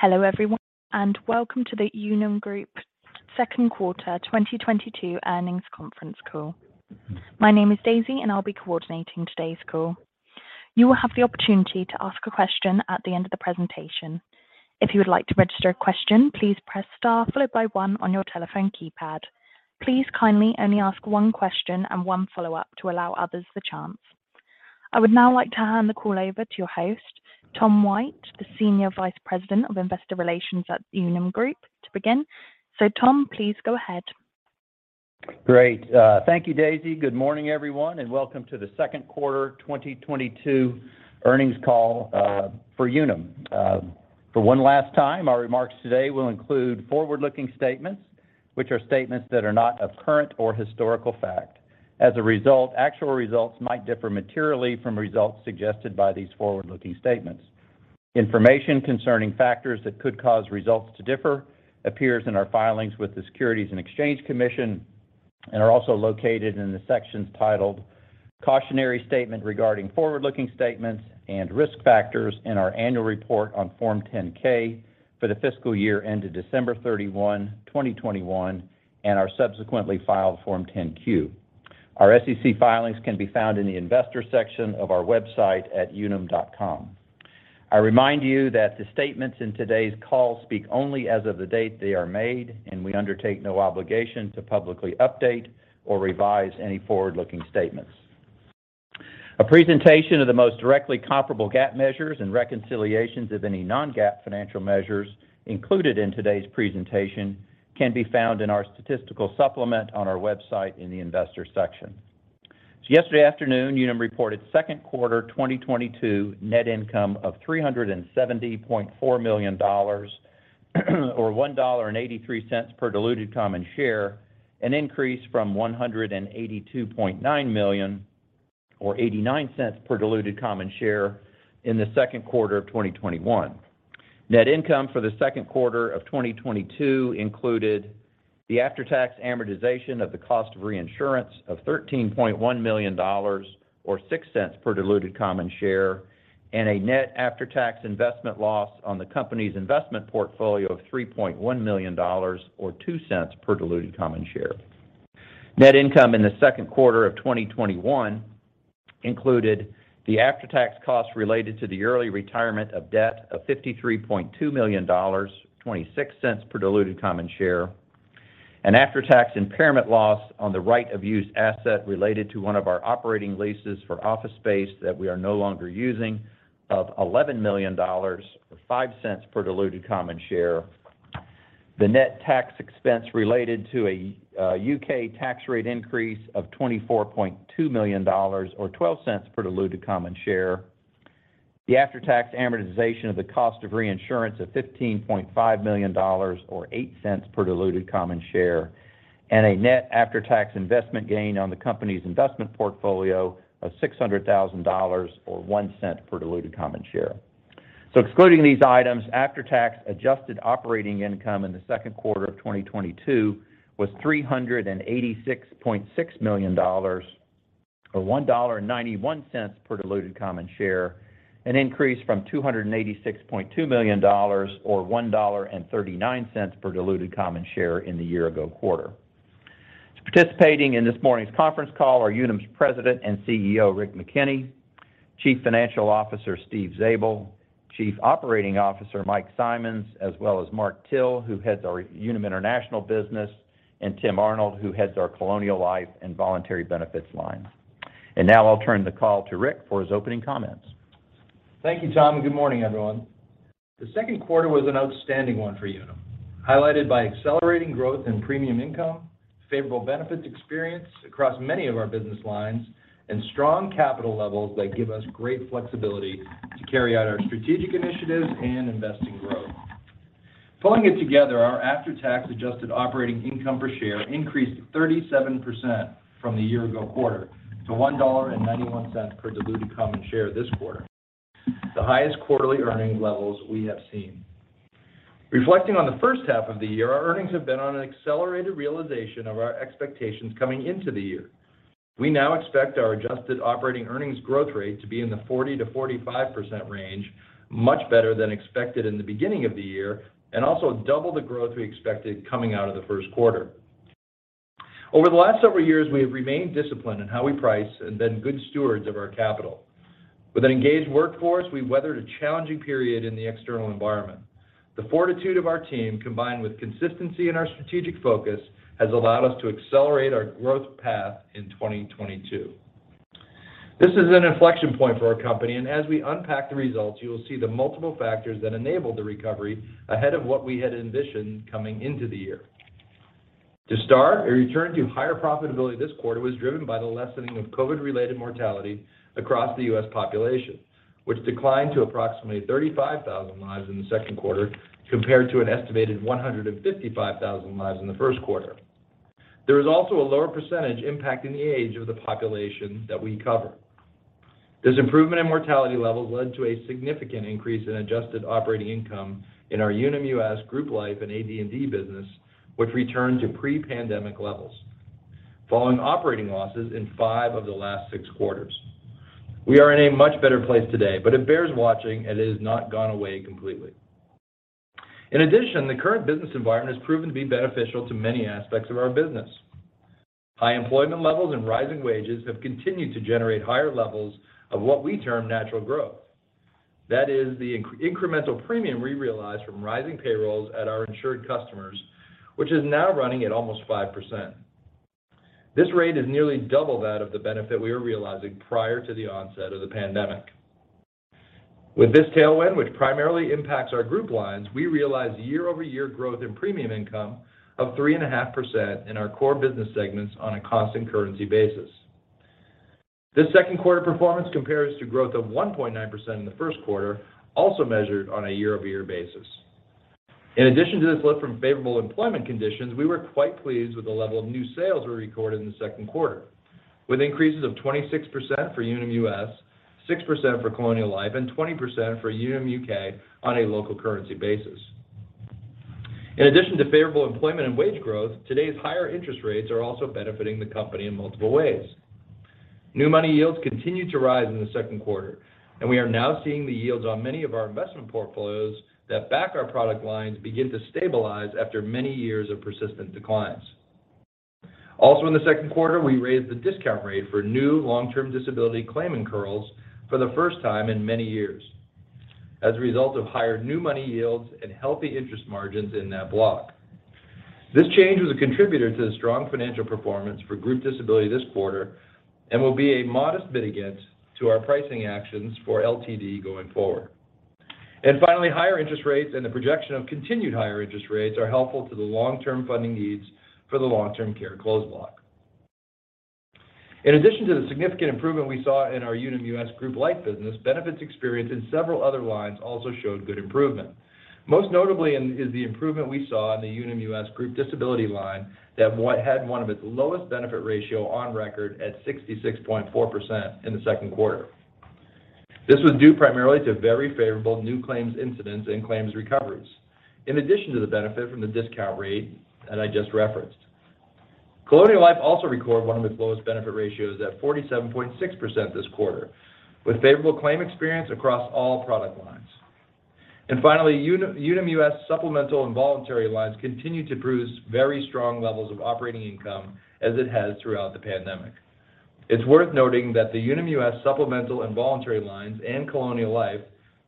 Hello everyone, and welcome to the Unum Group second quarter 2022 earnings conference call. My name is Daisy and I'll be coordinating today's call. You will have the opportunity to ask a question at the end of the presentation. If you would like to register a question, please press Star followed by one on your telephone keypad. Please kindly only ask one question and one follow-up to allow others the chance. I would now like to hand the call over to your host, Tom White, the Senior Vice President of Investor Relations at Unum Group, to begin. Tom, please go ahead. Great. Thank you, Daisy. Good morning, everyone, and welcome to the second quarter 2022 earnings call for Unum. For one last time, our remarks today will include forward-looking statements, which are statements that are not of current or historical fact. As a result, actual results might differ materially from results suggested by these forward-looking statements. Information concerning factors that could cause results to differ appears in our filings with the Securities and Exchange Commission and are also located in the sections titled "Cautionary Statement Regarding Forward-Looking Statements and Risk Factors" in our annual report on Form 10-K for the fiscal year ended December 31, 2021, and our subsequently filed Form 10-Q. Our SEC filings can be found in the investor section of our website at unum.com. I remind you that the statements in today's call speak only as of the date they are made, and we undertake no obligation to publicly update or revise any forward-looking statements. A presentation of the most directly comparable GAAP measures and reconciliations of any non-GAAP financial measures included in today's presentation can be found in our statistical supplement on our website in the Investors section. Yesterday afternoon, Unum reported second quarter 2022 net income of $370.4 million or $1.83 per diluted common share, an increase from $182.9 million or $0.89 per diluted common share in the second quarter of 2021. Net income for the second quarter of 2022 included the after-tax amortization of the cost of reinsurance of $13.1 million or $0.06 per diluted common share, and a net after-tax investment loss on the company's investment portfolio of $3.1 million or $0.02 per diluted common share. Net income in the second quarter of 2021 included the after-tax costs related to the early retirement of debt of $53.2 million, $0.26 per diluted common share. An after-tax impairment loss on the right-of-use asset related to one of our operating leases for office space that we are no longer using of $11 million or $0.05 per diluted common share. The net tax expense related to a U.K. tax rate increase of $24.2 million or $0.12 per diluted common share. The after-tax amortization of the cost of reinsurance of $15.5 million or 8 cents per diluted common share, and a net after-tax investment gain on the company's investment portfolio of $600,000 or 1 cent per diluted common share. Excluding these items, after-tax adjusted operating income in the second quarter of 2022 was $386.6 million or $1.91 per diluted common share, an increase from $286.2 million or $1.39 per diluted common share in the year ago quarter. Participating in this morning's conference call are Unum's President and CEO, Rick McKenney, Chief Financial Officer, Steve Zabel, Chief Operating Officer, Mike Simonds, as well as Mark Till, who heads our Unum International business, and Tim Arnold, who heads our Colonial Life and Voluntary Benefits lines. Now I'll turn the call to Rick for his opening comments. Thank you, Tom, and good morning, everyone. The second quarter was an outstanding one for Unum, highlighted by accelerating growth in premium income, favorable benefits experience across many of our business lines, and strong capital levels that give us great flexibility to carry out our strategic initiatives and invest in growth. Pulling it together, our after-tax adjusted operating income per share increased 37% from the year ago quarter to $1.91 per diluted common share this quarter, the highest quarterly earning levels we have seen. Reflecting on the first half of the year, our earnings have been on an accelerated realization of our expectations coming into the year. We now expect our adjusted operating earnings growth rate to be in the 40%-45% range, much better than expected in the beginning of the year, and also double the growth we expected coming out of the first quarter. Over the last several years, we have remained disciplined in how we price and been good stewards of our capital. With an engaged workforce, we weathered a challenging period in the external environment. The fortitude of our team, combined with consistency in our strategic focus, has allowed us to accelerate our growth path in 2022. This is an inflection point for our company, and as we unpack the results, you will see the multiple factors that enabled the recovery ahead of what we had envisioned coming into the year. To start, a return to higher profitability this quarter was driven by the lessening of COVID-related mortality across the U.S. population, which declined to approximately 35,000 lives in the second quarter compared to an estimated 155,000 lives in the first quarter. There is also a lower percentage impact in the age of the population that we cover. This improvement in mortality levels led to a significant increase in adjusted operating income in our Unum US Group Life and AD&D business, which returned to pre-pandemic levels following operating losses in five of the last six quarters. We are in a much better place today, but it bears watching, and it has not gone away completely. In addition, the current business environment has proven to be beneficial to many aspects of our business. High employment levels and rising wages have continued to generate higher levels of what we term natural growth. That is the incremental premium we realize from rising payrolls at our insured customers, which is now running at almost 5%. This rate is nearly double that of the benefit we were realizing prior to the onset of the pandemic. With this tailwind, which primarily impacts our group lines, we realize year-over-year growth in premium income of 3.5% in our core business segments on a constant currency basis. This second quarter performance compares to growth of 1.9% in the first quarter, also measured on a year-over-year basis. In addition to this lift from favorable employment conditions, we were quite pleased with the level of new sales we recorded in the second quarter, with increases of 26% for Unum U.S., 6% for Colonial Life, and 20% for Unum U.K. on a local currency basis. In addition to favorable employment and wage growth, today's higher interest rates are also benefiting the company in multiple ways. New money yields continued to rise in the second quarter, and we are now seeing the yields on many of our investment portfolios that back our product lines begin to stabilize after many years of persistent declines. Also in the second quarter, we raised the discount rate for new long-term disability claimant incurrals for the first time in many years as a result of higher new money yields and healthy interest margins in that block. This change was a contributor to the strong financial performance for group disability this quarter and will be a modest mitigant to our pricing actions for LTD going forward. Finally, higher interest rates and the projection of continued higher interest rates are helpful to the long-term funding needs for the long-term care closed block. In addition to the significant improvement we saw in our Unum U.S. Group Life business, benefits experience in several other lines also showed good improvement. Most notably is the improvement we saw in the Unum U.S. Group Disability line that had one of its lowest benefit ratio on record at 66.4% in the second quarter. This was due primarily to very favorable new claims incidence and claims recoveries. In addition to the benefit from the discount rate that I just referenced, Colonial Life also recorded one of its lowest benefit ratios at 47.6% this quarter, with favorable claim experience across all product lines. Finally, Unum U.S. supplemental and voluntary lines continue to produce very strong levels of operating income as it has throughout the pandemic. It's worth noting that the Unum U.S. supplemental and voluntary lines and Colonial Life,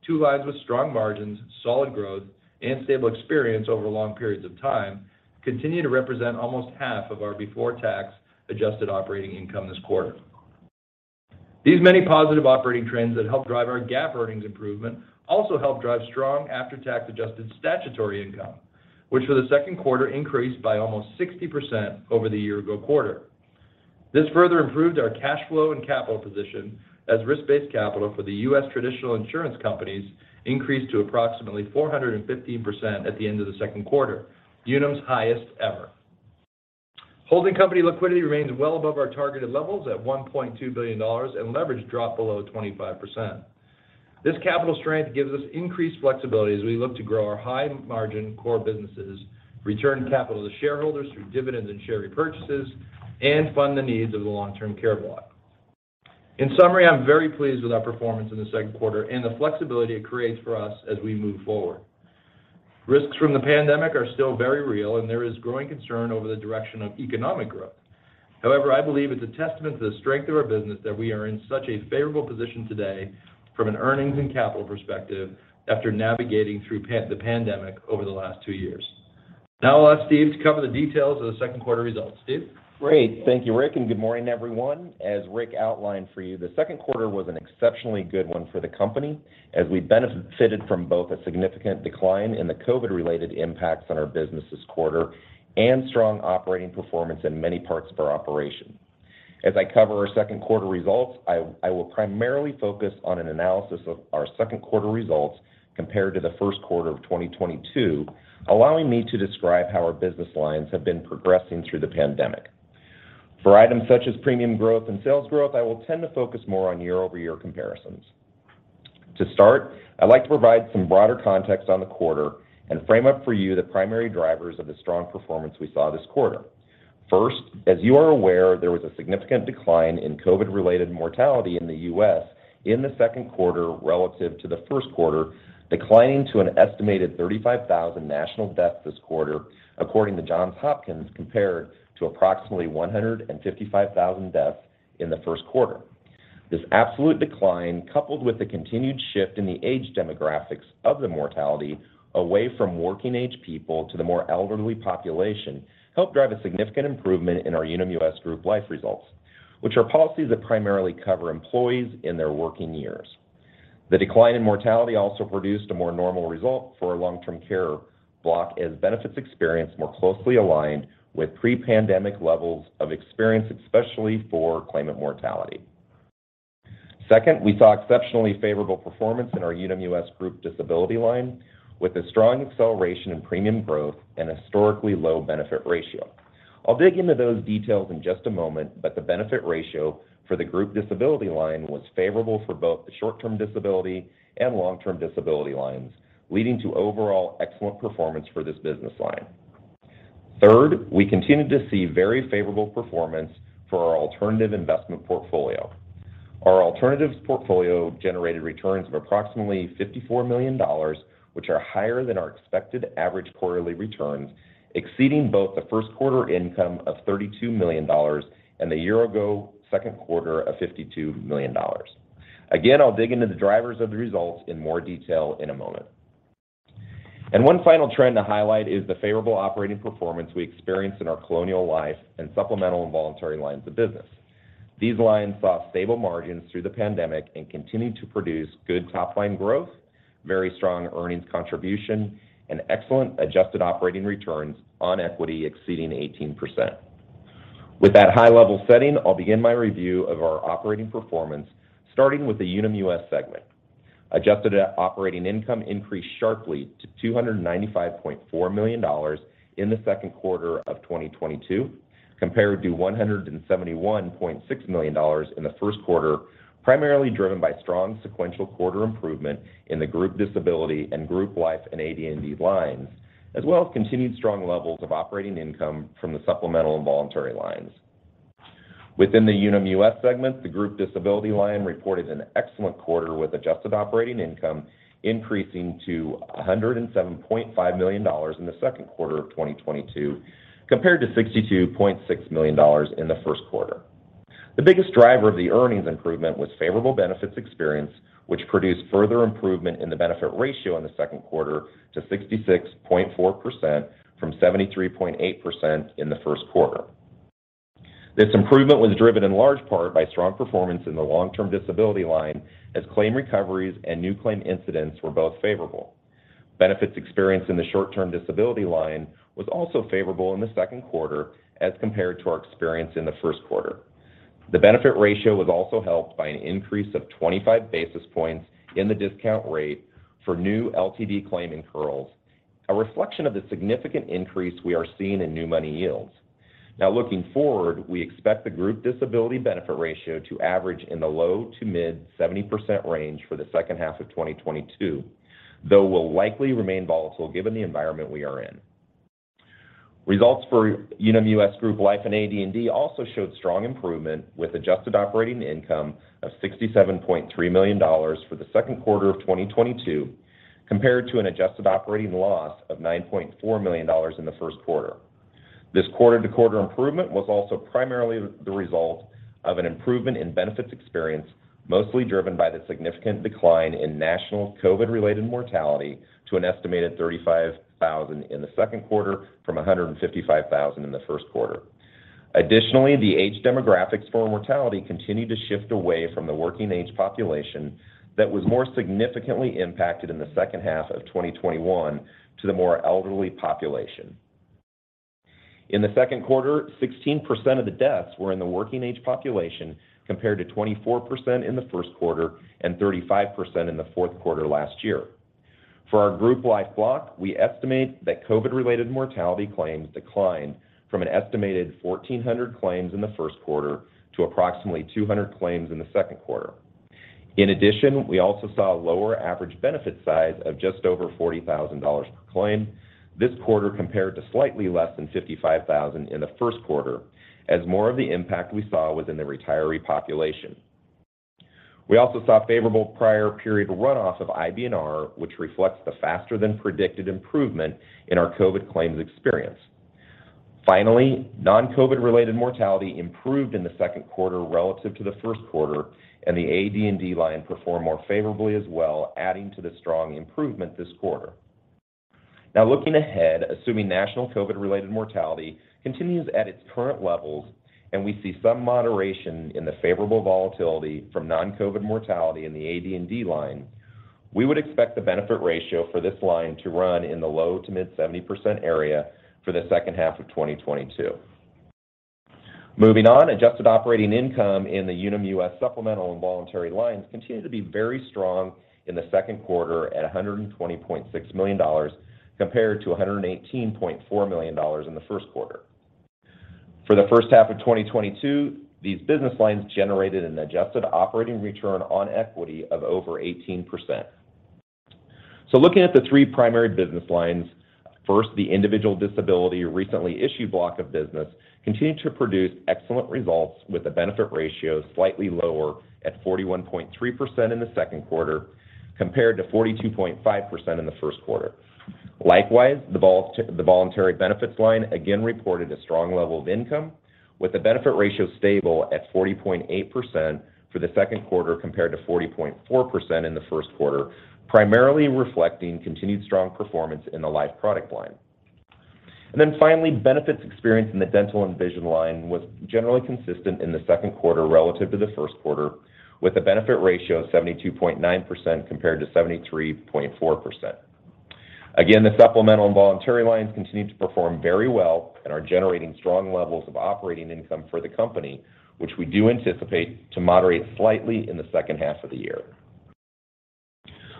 two lines with strong margins, solid growth, and stable experience over long periods of time, continue to represent almost half of our before-tax adjusted operating income this quarter. These many positive operating trends that help drive our GAAP earnings improvement also help drive strong after-tax adjusted statutory income, which for the second quarter increased by almost 60% over the year-ago quarter. This further improved our cash flow and capital position as risk-based capital for the U.S. traditional insurance companies increased to approximately 415% at the end of the second quarter, Unum's highest ever. Holding company liquidity remains well above our targeted levels at $1.2 billion, and leverage dropped below 25%. This capital strength gives us increased flexibility as we look to grow our high margin core businesses, return capital to shareholders through dividends and share repurchases, and fund the needs of the long-term care block. In summary, I'm very pleased with our performance in the second quarter and the flexibility it creates for us as we move forward. Risks from the pandemic are still very real, and there is growing concern over the direction of economic growth. However, I believe it's a testament to the strength of our business that we are in such a favorable position today from an earnings and capital perspective after navigating through the pandemic over the last two years. Now I'll ask Steve to cover the details of the second quarter results. Steve? Great. Thank you, Rick, and good morning, everyone. As Rick outlined for you, the second quarter was an exceptionally good one for the company as we benefited from both a significant decline in the COVID-related impacts on our business this quarter and strong operating performance in many parts of our operation. As I cover our second quarter results, I will primarily focus on an analysis of our second quarter results compared to the first quarter of 2022, allowing me to describe how our business lines have been progressing through the pandemic. For items such as premium growth and sales growth, I will tend to focus more on year-over-year comparisons. To start, I'd like to provide some broader context on the quarter and frame up for you the primary drivers of the strong performance we saw this quarter. First, as you are aware, there was a significant decline in COVID-related mortality in the U.S. in the second quarter relative to the first quarter, declining to an estimated 35,000 national deaths this quarter, according to Johns Hopkins, compared to approximately 155,000 deaths in the first quarter. This absolute decline, coupled with the continued shift in the age demographics of the mortality away from working age people to the more elderly population, helped drive a significant improvement in our Unum U.S. Group Life results, which are policies that primarily cover employees in their working years. The decline in mortality also produced a more normal result for our long-term care block as benefits experienced more closely aligned with pre-pandemic levels of experience, especially for claimant mortality. Second, we saw exceptionally favorable performance in our Unum U.S. Group Disability line with a strong acceleration in premium growth and historically low benefit ratio. I'll dig into those details in just a moment, but the benefit ratio for the group disability line was favorable for both the short-term disability and long-term disability lines, leading to overall excellent performance for this business line. Third, we continued to see very favorable performance for our alternative investment portfolio. Our alternatives portfolio generated returns of approximately $54 million, which are higher than our expected average quarterly returns, exceeding both the first quarter income of $32 million and the year-ago second quarter of $52 million. Again, I'll dig into the drivers of the results in more detail in a moment. One final trend to highlight is the favorable operating performance we experienced in our Colonial Life and supplemental and voluntary lines of business. These lines saw stable margins through the pandemic and continued to produce good top line growth, very strong earnings contribution, and excellent adjusted operating returns on equity exceeding 18%. With that high level setting, I'll begin my review of our operating performance, starting with the Unum U.S. segment. Adjusted operating income increased sharply to $295.4 million in the second quarter of 2022, compared to $171.6 million in the first quarter, primarily driven by strong sequential quarter improvement in the group disability and group life and AD&D lines, as well as continued strong levels of operating income from the supplemental and voluntary lines. Within the Unum U.S. segment, the group disability line reported an excellent quarter with adjusted operating income increasing to $107.5 million in the second quarter of 2022, compared to $62.6 million in the first quarter. The biggest driver of the earnings improvement was favorable benefits experience, which produced further improvement in the benefit ratio in the second quarter to 66.4% from 73.8% in the first quarter. This improvement was driven in large part by strong performance in the long term disability line as claim recoveries and new claim incidents were both favorable. Benefits experience in the short term disability line was also favorable in the second quarter as compared to our experience in the first quarter. The benefit ratio was also helped by an increase of 25 basis points in the discount rate for new LTD claimant incurrals, a reflection of the significant increase we are seeing in new money yields. Now looking forward, we expect the group disability benefit ratio to average in the low-to-mid 70% range for the second half of 2022, though will likely remain volatile given the environment we are in. Results for Unum U.S. Group life and AD&D also showed strong improvement with adjusted operating income of $67.3 million for the second quarter of 2022 compared to an adjusted operating loss of $9.4 million in the first quarter. This quarter-to-quarter improvement was also primarily the result of an improvement in benefits experience, mostly driven by the significant decline in national COVID-related mortality to an estimated 35,000 in the second quarter from 155,000 in the first quarter. Additionally, the age demographics for mortality continued to shift away from the working age population that was more significantly impacted in the second half of 2021 to the more elderly population. In the second quarter, 16% of the deaths were in the working age population compared to 24% in the first quarter and 35% in the fourth quarter last year. For our group life block, we estimate that COVID-related mortality claims declined from an estimated 1,400 claims in the first quarter to approximately 200 claims in the second quarter. In addition, we also saw a lower average benefit size of just over $40,000 per claim this quarter compared to slightly less than $55,000 in the first quarter as more of the impact we saw was in the retiree population. We also saw favorable prior period runoff of IBNR, which reflects the faster than predicted improvement in our COVID claims experience. Finally, non-COVID-related mortality improved in the second quarter relative to the first quarter, and the AD&D line performed more favorably as well, adding to the strong improvement this quarter. Now looking ahead, assuming national COVID-related mortality continues at its current levels and we see some moderation in the favorable volatility from non-COVID mortality in the AD&D line, we would expect the benefit ratio for this line to run in the low- to mid-70% area for the second half of 2022. Moving on, adjusted operating income in the Unum U.S. supplemental and voluntary lines continued to be very strong in the second quarter at $120.6 million compared to $118.4 million in the first quarter. For the first half of 2022, these business lines generated an adjusted operating return on equity of over 18%. Looking at the three primary business lines, first, the individual disability recently issued block of business continued to produce excellent results with the benefit ratio slightly lower at 41.3% in the second quarter compared to 42.5% in the first quarter. Likewise, the voluntary benefits line again reported a strong level of income with the benefit ratio stable at 40.8% for the second quarter compared to 40.4% in the first quarter, primarily reflecting continued strong performance in the life product line. Finally, benefits experienced in the dental and vision line was generally consistent in the second quarter relative to the first quarter with a benefit ratio of 72.9% compared to 73.4%. Again, the supplemental and voluntary lines continue to perform very well and are generating strong levels of operating income for the company, which we do anticipate to moderate slightly in the second half of the year.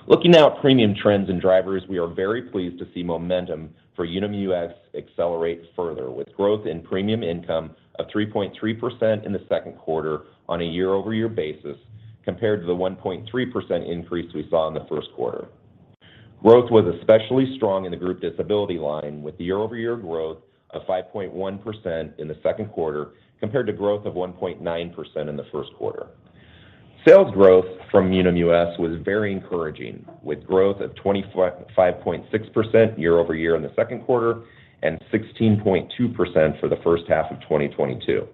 Looking now at premium trends and drivers, we are very pleased to see momentum for Unum U.S. accelerate further with growth in premium income of 3.3% in the second quarter on a year-over-year basis compared to the 1.3% increase we saw in the first quarter. Growth was especially strong in the group disability line with year-over-year growth of 5.1% in the second quarter compared to growth of 1.9% in the first quarter. Sales growth from Unum US was very encouraging, with growth of 25.6% year over year in the second quarter and 16.2% for the first half of 2022.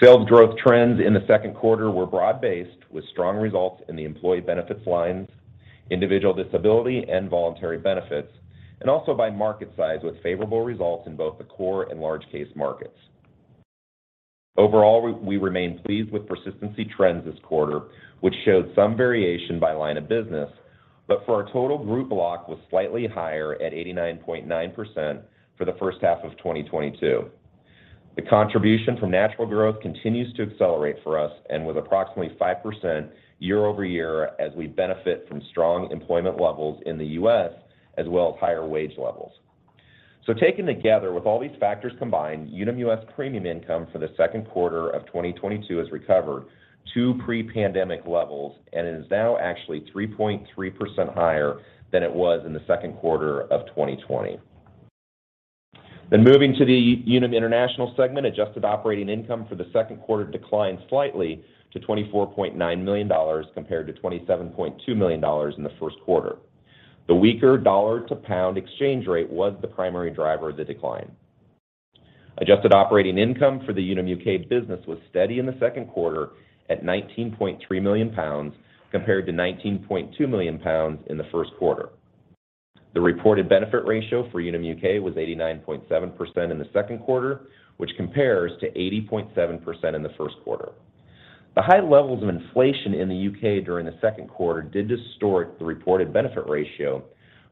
Sales growth trends in the second quarter were broad-based with strong results in the employee benefits lines, individual disability and voluntary benefits, and also by market size with favorable results in both the core and large case markets. Overall, we remain pleased with persistency trends this quarter, which showed some variation by line of business, but for our total group block, was slightly higher at 89.9% for the first half of 2022. The contribution from natural growth continues to accelerate for us and with approximately 5% year-over-year as we benefit from strong employment levels in the U.S. as well as higher wage levels. Taken together with all these factors combined, Unum U.S. premium income for the second quarter of 2022 has recovered to pre-pandemic levels and is now actually 3.3% higher than it was in the second quarter of 2020. Moving to the Unum International segment, adjusted operating income for the second quarter declined slightly to $24.9 million compared to $27.2 million in the first quarter. The weaker dollar to pound exchange rate was the primary driver of the decline. Adjusted operating income for the Unum U.K. business was steady in the second quarter at 19.3 million pounds compared to 19.2 million pounds in the first quarter. The reported benefit ratio for Unum U.K. was 89.7% in the second quarter, which compares to 80.7% in the first quarter. The high levels of inflation in the U.K. during the second quarter did distort the reported benefit ratio,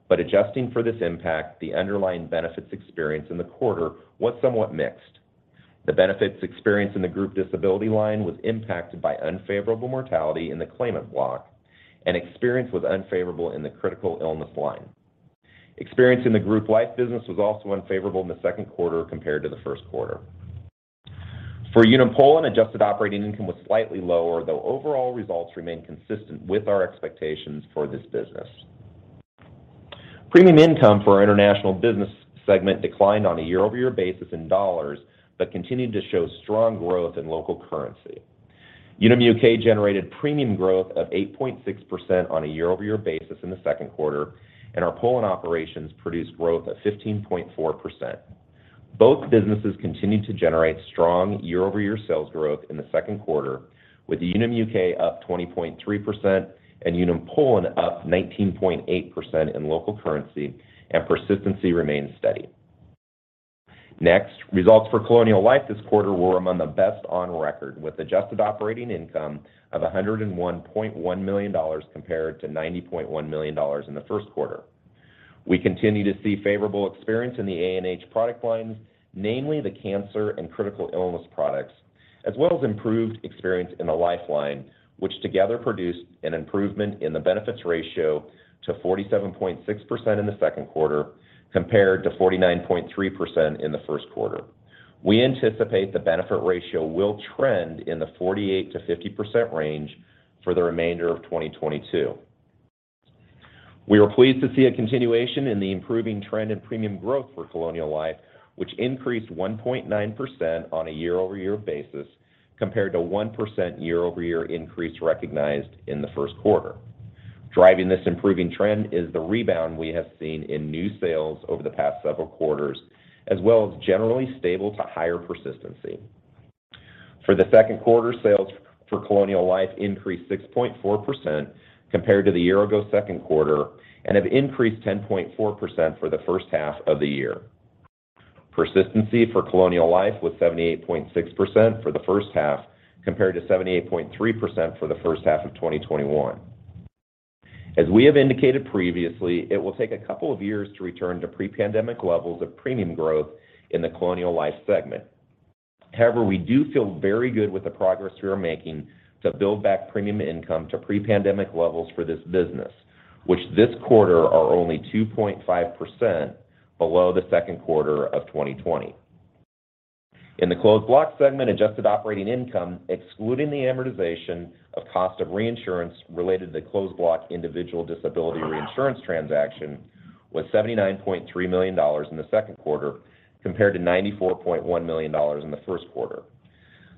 but adjusting for this impact, the underlying benefits experience in the quarter was somewhat mixed. The benefits experience in the group disability line was impacted by unfavorable mortality in the claimant block and experience was unfavorable in the critical illness line. Experience in the group life business was also unfavorable in the second quarter compared to the first quarter. For Unum Poland, adjusted operating income was slightly lower, though overall results remain consistent with our expectations for this business. Premium income for our international business segment declined on a year-over-year basis in dollars, but continued to show strong growth in local currency. Unum U.K. generated premium growth of 8.6% on a year-over-year basis in the second quarter, and our Poland operations produced growth of 15.4%. Both businesses continued to generate strong year-over-year sales growth in the second quarter, with Unum U.K. up 20.3% and Unum Poland up 19.8% in local currency, and persistency remained steady. Next, results for Colonial Life this quarter were among the best on record, with adjusted operating income of $101.1 million compared to $90.1 million in the first quarter. We continue to see favorable experience in the A&H product lines, namely the cancer and Critical Illness products, as well as improved experience in the life line, which together produced an improvement in the benefit ratio to 47.6% in the second quarter compared to 49.3% in the first quarter. We anticipate the benefit ratio will trend in the 48%-50% range for the remainder of 2022. We are pleased to see a continuation in the improving trend in premium growth for Colonial Life, which increased 1.9% on a year-over-year basis compared to 1% year-over-year increase recognized in the first quarter. Driving this improving trend is the rebound we have seen in new sales over the past several quarters, as well as generally stable to higher persistency. For the second quarter, sales for Colonial Life increased 6.4% compared to the year ago second quarter and have increased 10.4% for the first half of the year. Persistency for Colonial Life was 78.6% for the first half compared to 78.3% for the first half of 2021. As we have indicated previously, it will take a couple of years to return to pre-pandemic levels of premium growth in the Colonial Life segment. However, we do feel very good with the progress we are making to build back premium income to pre-pandemic levels for this business, which this quarter are only 2.5% below the second quarter of 2020. In the Closed Block segment, adjusted operating income, excluding the amortization of cost of reinsurance related to Closed Block individual disability reinsurance transaction, was $79.3 million in the second quarter compared to $94.1 million in the first quarter.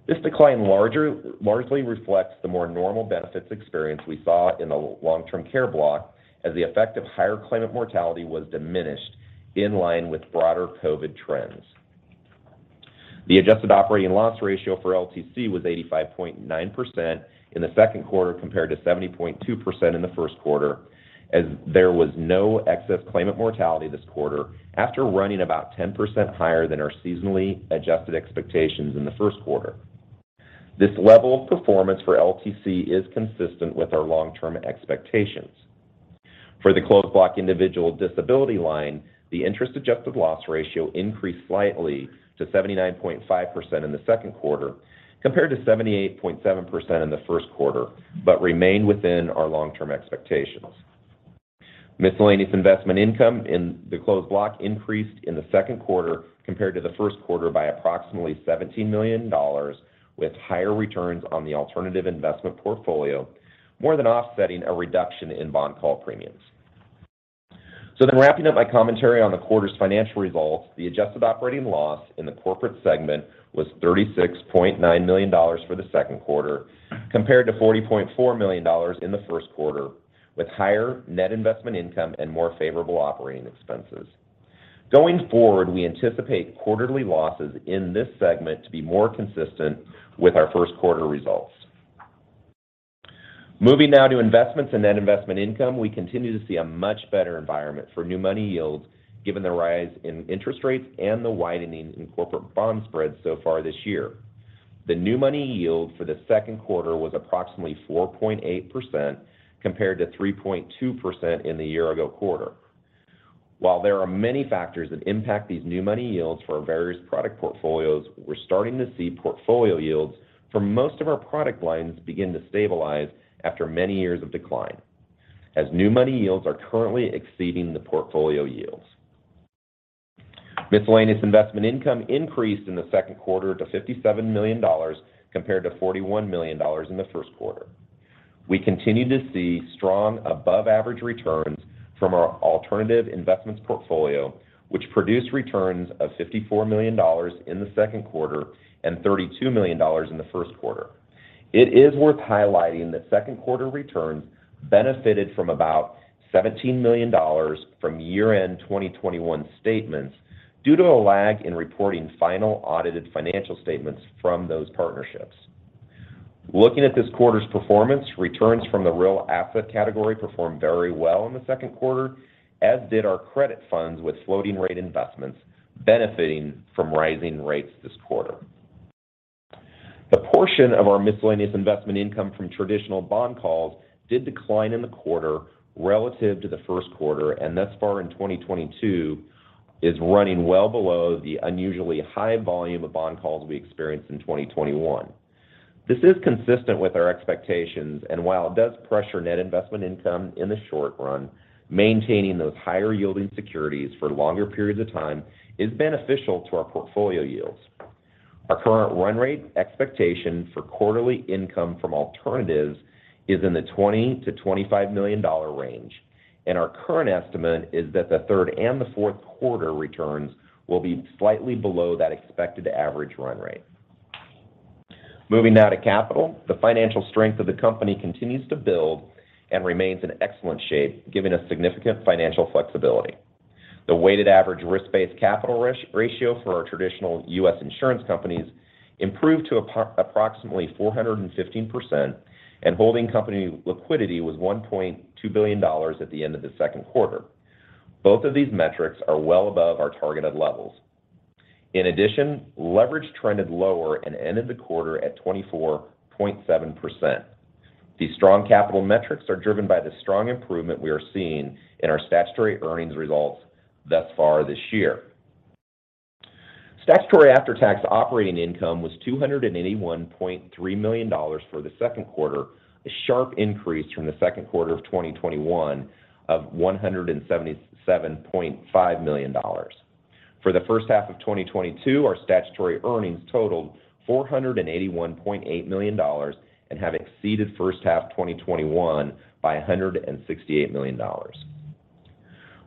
This decline largely reflects the more normal benefits experience we saw in the long-term care block as the effect of higher claimant mortality was diminished in line with broader COVID trends. The adjusted operating loss ratio for LTC was 85.9% in the second quarter compared to 70.2% in the first quarter, as there was no excess claimant mortality this quarter after running about 10% higher than our seasonally adjusted expectations in the first quarter. This level of performance for LTC is consistent with our long-term expectations. For the Closed Block individual disability line, the interest-adjusted loss ratio increased slightly to 79.5% in the second quarter compared to 78.7% in the first quarter, but remained within our long-term expectations. Miscellaneous investment income in the Closed Block increased in the second quarter compared to the first quarter by approximately $17 million, with higher returns on the alternative investment portfolio more than offsetting a reduction in bond call premiums. Wrapping up my commentary on the quarter's financial results, the adjusted operating loss in the corporate segment was $36.9 million for the second quarter compared to $40.4 million in the first quarter, with higher net investment income and more favorable operating expenses. Going forward, we anticipate quarterly losses in this segment to be more consistent with our first quarter results. Moving now to investments and net investment income, we continue to see a much better environment for new money yields given the rise in interest rates and the widening in corporate bond spreads so far this year. The new money yield for the second quarter was approximately 4.8% compared to 3.2% in the year-ago quarter. While there are many factors that impact these new money yields for our various product portfolios, we're starting to see portfolio yields for most of our product lines begin to stabilize after many years of decline, as new money yields are currently exceeding the portfolio yields. Miscellaneous investment income increased in the second quarter to $57 million compared to $41 million in the first quarter. We continue to see strong above average returns from our alternative investments portfolio, which produced returns of $54 million in the second quarter and $32 million in the first quarter. It is worth highlighting that second quarter returns benefited from about $17 million from year-end 2021 statements due to a lag in reporting final audited financial statements from those partnerships. Looking at this quarter's performance, returns from the real asset category performed very well in the second quarter, as did our credit funds with floating rate investments benefiting from rising rates this quarter. The portion of our miscellaneous investment income from traditional bond calls did decline in the quarter relative to the first quarter, and thus far in 2022 is running well below the unusually high volume of bond calls we experienced in 2021. This is consistent with our expectations, and while it does pressure net investment income in the short run, maintaining those higher yielding securities for longer periods of time is beneficial to our portfolio yields. Our current run rate expectation for quarterly income from alternatives is in the $20 million-$25 million range, and our current estimate is that the third and the fourth quarter returns will be slightly below that expected average run rate. Moving now to capital. The financial strength of the company continues to build and remains in excellent shape, giving us significant financial flexibility. The weighted average risk-based capital ratio for our traditional U.S. insurance companies improved to approximately 415%, and holding company liquidity was $1.2 billion at the end of the second quarter. Both of these metrics are well above our targeted levels. In addition, leverage trended lower and ended the quarter at 24.7%. These strong capital metrics are driven by the strong improvement we are seeing in our statutory earnings results thus far this year. Statutory after-tax operating income was $281.3 million for the second quarter, a sharp increase from the second quarter of 2021 of $177.5 million. For the first half of 2022, our statutory earnings totaled $481.8 million and have exceeded first half 2021 by $168 million.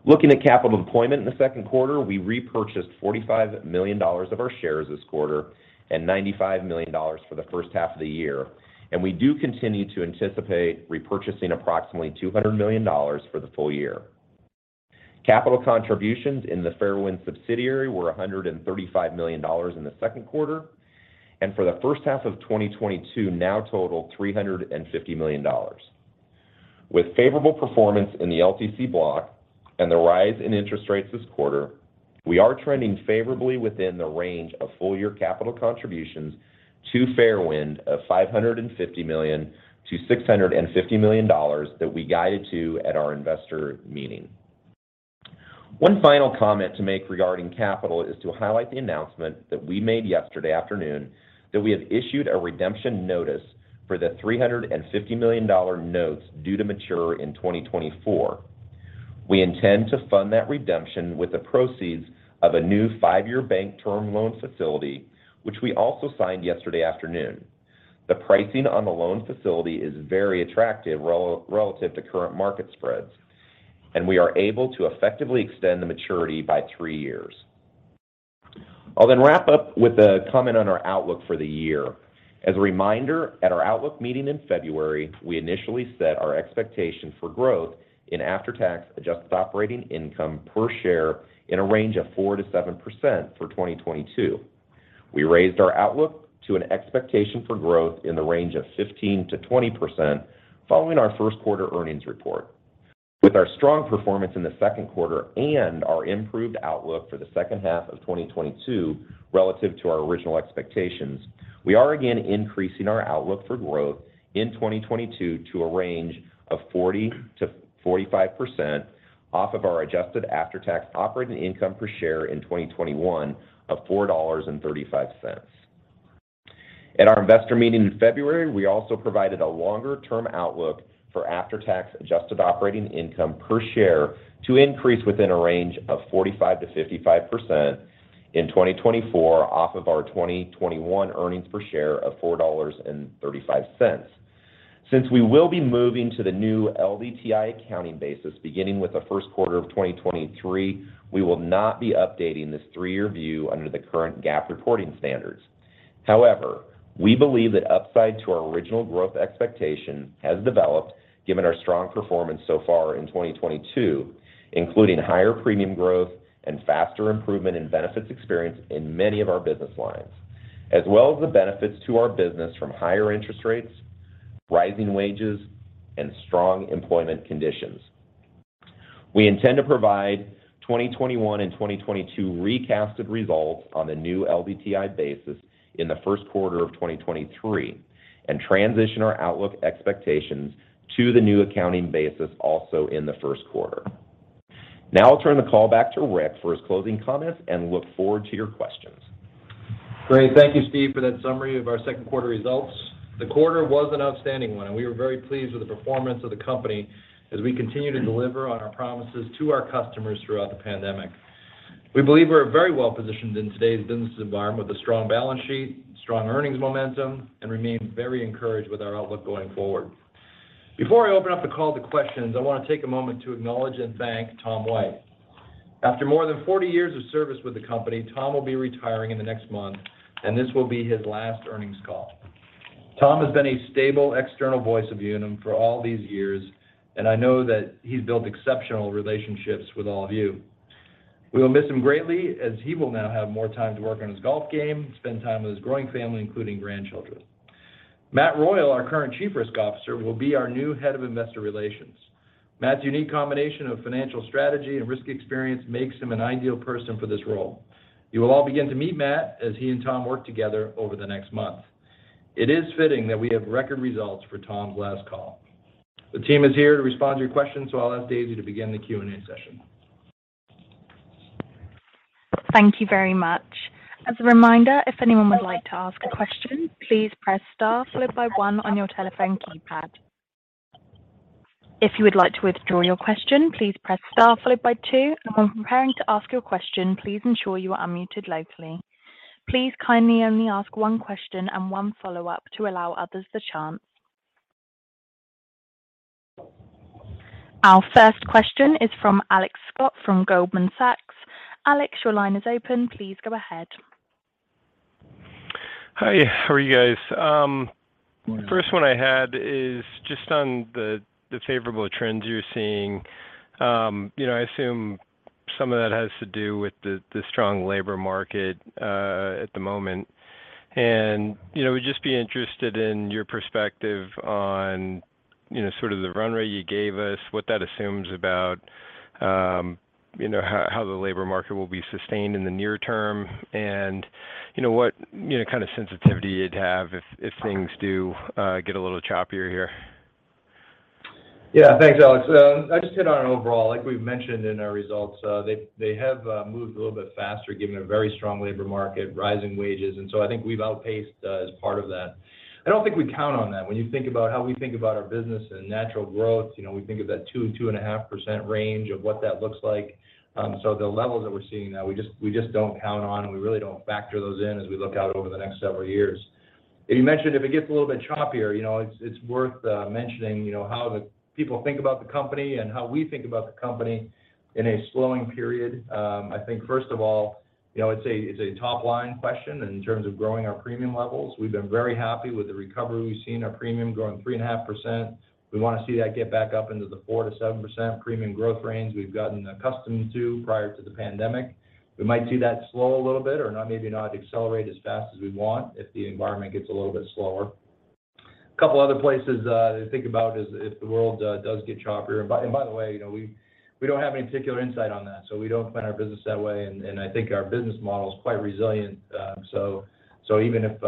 Looking at capital deployment in the second quarter, we repurchased $45 million of our shares this quarter and $95 million for the first half of the year, and we do continue to anticipate repurchasing approximately $200 million for the full year. Capital contributions in the Fairwind subsidiary were $135 million in the second quarter, and for the first half of 2022 now total $350 million. With favorable performance in the LTC block and the rise in interest rates this quarter, we are trending favorably within the range of full year capital contributions to Fairwind of $550 million-$650 million that we guided to at our investor meeting. One final comment to make regarding capital is to highlight the announcement that we made yesterday afternoon that we have issued a redemption notice for the $350 million notes due to mature in 2024. We intend to fund that redemption with the proceeds of a new five-year bank term loan facility, which we also signed yesterday afternoon. The pricing on the loan facility is very attractive relative to current market spreads, and we are able to effectively extend the maturity by three years. I'll then wrap up with a comment on our outlook for the year. As a reminder, at our outlook meeting in February, we initially set our expectation for growth in after-tax adjusted operating income per share in a range of 4%-7% for 2022. We raised our outlook to an expectation for growth in the range of 15%-20% following our first quarter earnings report. With our strong performance in the second quarter and our improved outlook for the second half of 2022 relative to our original expectations, we are again increasing our outlook for growth in 2022 to a range of 40%-45% off of our adjusted after-tax operating income per share in 2021 of $4.35. At our investor meeting in February, we also provided a longer term outlook for after-tax adjusted operating income per share to increase within a range of 45%-55% in 2024 off of our 2021 earnings per share of $4.35. Since we will be moving to the new LDTI accounting basis beginning with the first quarter of 2023, we will not be updating this three-year view under the current GAAP reporting standards. However, we believe that upside to our original growth expectation has developed given our strong performance so far in 2022, including higher premium growth and faster improvement in benefits experience in many of our business lines, as well as the benefits to our business from higher interest rates, rising wages, and strong employment conditions. We intend to provide 2021 and 2022 recasted results on the new LDTI basis in the first quarter of 2023 and transition our outlook expectations to the new accounting basis also in the first quarter. Now I'll turn the call back to Rick for his closing comments and look forward to your questions. Great. Thank you, Steve, for that summary of our second quarter results. The quarter was an outstanding one, and we were very pleased with the performance of the company as we continue to deliver on our promises to our customers throughout the pandemic. We believe we're very well-positioned in today's business environment with a strong balance sheet, strong earnings momentum, and remain very encouraged with our outlook going forward. Before I open up the call to questions, I want to take a moment to acknowledge and thank Tom White. After more than 40 years of service with the company, Tom will be retiring in the next month, and this will be his last earnings call. Tom has been a stable external voice of Unum for all these years, and I know that he's built exceptional relationships with all of you. We will miss him greatly as he will now have more time to work on his golf game, spend time with his growing family, including grandchildren. Matt Royal, our current Chief Risk Officer, will be our new Head of Investor Relations. Matt's unique combination of financial strategy and risk experience makes him an ideal person for this role. You will all begin to meet Matt as he and Tom work together over the next month. It is fitting that we have record results for Tom's last call. The team is here to respond to your questions, so I'll ask Daisy to begin the Q&A session. Thank you very much. As a reminder, if anyone would like to ask a question, please press star followed by one on your telephone keypad. If you would like to withdraw your question, please press star followed by two, and when preparing to ask your question, please ensure you are unmuted locally. Please kindly only ask one question and one follow-up to allow others the chance. Our first question is from Alex Scott from Goldman Sachs. Alex, your line is open. Please go ahead. Hi, how are you guys? The first one I had is just on the favorable trends you're seeing. You know, I assume some of that has to do with the strong labor market at the moment. You know, we'd just be interested in your perspective on, you know, sort of the run rate you gave us, what that assumes about, you know, how the labor market will be sustained in the near term, and you know, what, you know, kind of sensitivity you'd have if things do get a little choppier here. Yeah, thanks Alex. I just hit on it overall. Like we've mentioned in our results, they have moved a little bit faster given a very strong labor market, rising wages. I think we've outpaced as part of that. I don't think we count on that. When you think about how we think about our business and natural growth, you know, we think of that 2%-2.5% range of what that looks like. The levels that we're seeing now, we just don't count on, and we really don't factor those in as we look out over the next several years. You mentioned if it gets a little bit choppier, you know, it's worth mentioning, you know, how the people think about the company and how we think about the company in a slowing period. I think first of all, you know, it's a top line question in terms of growing our premium levels. We've been very happy with the recovery we've seen, our premium growing 3.5%. We want to see that get back up into the 4%-7% premium growth range we've gotten accustomed to prior to the pandemic. We might see that slow a little bit or not, maybe not accelerate as fast as we want if the environment gets a little bit slower. A couple other places to think about is if the world does get choppier. By the way, you know, we don't have any particular insight on that, so we don't plan our business that way. I think our business model is quite resilient. Even if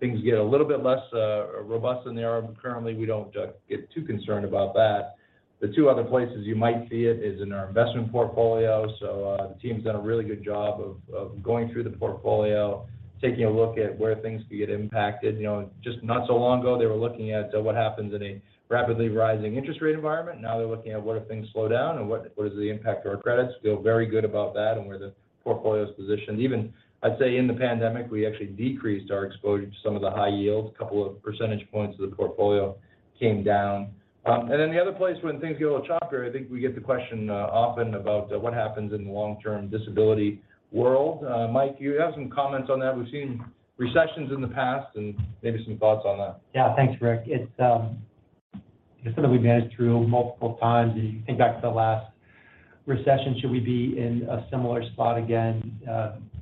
things get a little bit less robust than they are currently, we don't get too concerned about that. The two other places you might see it is in our investment portfolio. The team's done a really good job of going through the portfolio, taking a look at where things could get impacted. You know, just not so long ago they were looking at what happens in a rapidly rising interest rate environment. Now they're looking at what if things slow down and what is the impact to our credits. Feel very good about that and where the portfolio's positioned. Even I'd say in the pandemic, we actually decreased our exposure to some of the high yields. A couple of percentage points of the portfolio came down. The other place when things get a little choppier, I think we get the question often about what happens in the long-term disability world. Mike, do you have some comments on that? We've seen recessions in the past and maybe some thoughts on that. Yeah, thanks Rick. It's something we've managed through multiple times, and you think back to the last recession, should we be in a similar spot again?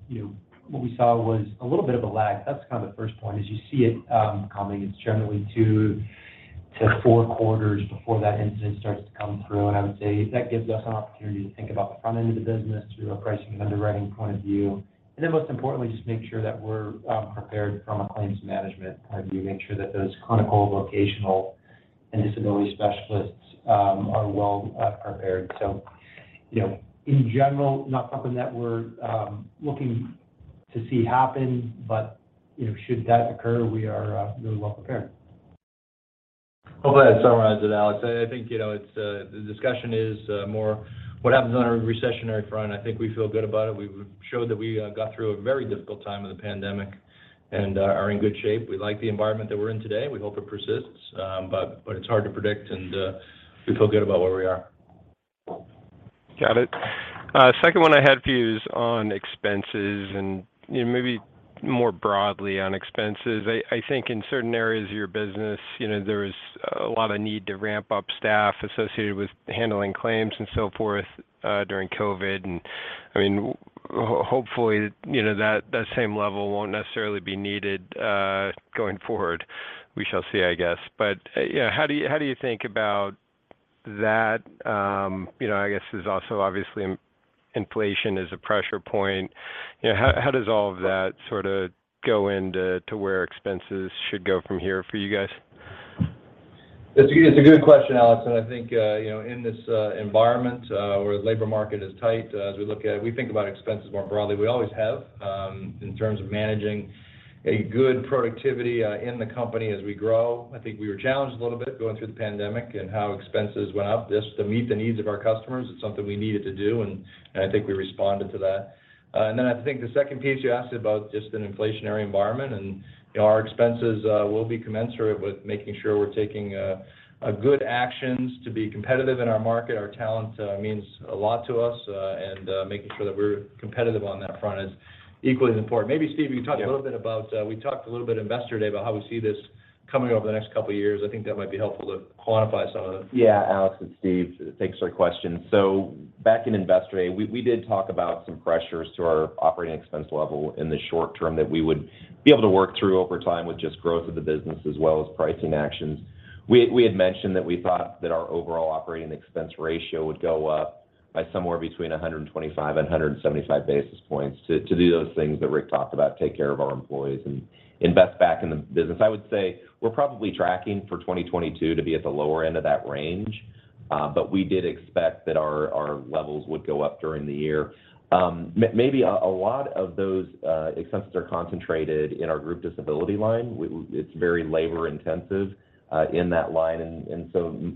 You know, what we saw was a little bit of a lag. That's kind of the first point is you see it coming. It's generally 2-4 quarters before that incident starts to come through. I would say that gives us an opportunity to think about the front end of the business through a pricing and underwriting point of view. Then most importantly, just make sure that we're prepared from a claims management point of view, make sure that those clinical, vocational, and disability specialists are well prepared. You know, in general, not something that we're looking to see happen, but you know, should that occur, we are really well prepared. Hopefully that summarizes it, Alex. I think, you know, it's the discussion is more what happens on a recessionary front. I think we feel good about it. We've showed that we got through a very difficult time with the pandemic and are in good shape. We like the environment that we're in today. We hope it persists. But it's hard to predict and we feel good about where we are. Got it. Second one I had for you is on expenses and, you know, maybe more broadly on expenses. I think in certain areas of your business, you know, there is a lot of need to ramp up staff associated with handling claims and so forth, during COVID. I mean, hopefully, you know, that same level won't necessarily be needed, going forward. We shall see, I guess. Yeah, how do you think about that, you know, I guess there's also obviously inflation is a pressure point. You know, how does all of that sort of go into to where expenses should go from here for you guys? It's a good question, Alex, and I think, you know, in this environment, where the labor market is tight, as we look at it, we think about expenses more broadly. We always have, in terms of managing a good productivity, in the company as we grow. I think we were challenged a little bit going through the pandemic and how expenses went up just to meet the needs of our customers. It's something we needed to do, and I think we responded to that. I think the second piece you asked about just an inflationary environment, and, you know, our expenses will be commensurate with making sure we're taking a good actions to be competitive in our market. Our talent means a lot to us, and making sure that we're competitive on that front is equally as important. Maybe Steve, you can talk a little bit about, we talked a little bit at Investor Day about how we see this coming over the next couple of years. I think that might be helpful to quantify some of that. Yeah. Alex, it's Steve. Thanks for the question. Back in Investor Day, we did talk about some pressures to our operating expense level in the short term that we would be able to work through over time with just growth of the business as well as pricing actions. We had mentioned that we thought that our overall operating expense ratio would go up by somewhere between 125 and 175 basis points to do those things that Rick talked about, take care of our employees and invest back in the business. I would say we're probably tracking for 2022 to be at the lower end of that range, but we did expect that our levels would go up during the year. Maybe a lot of those expenses are concentrated in our group disability line. It's very labor intensive in that line.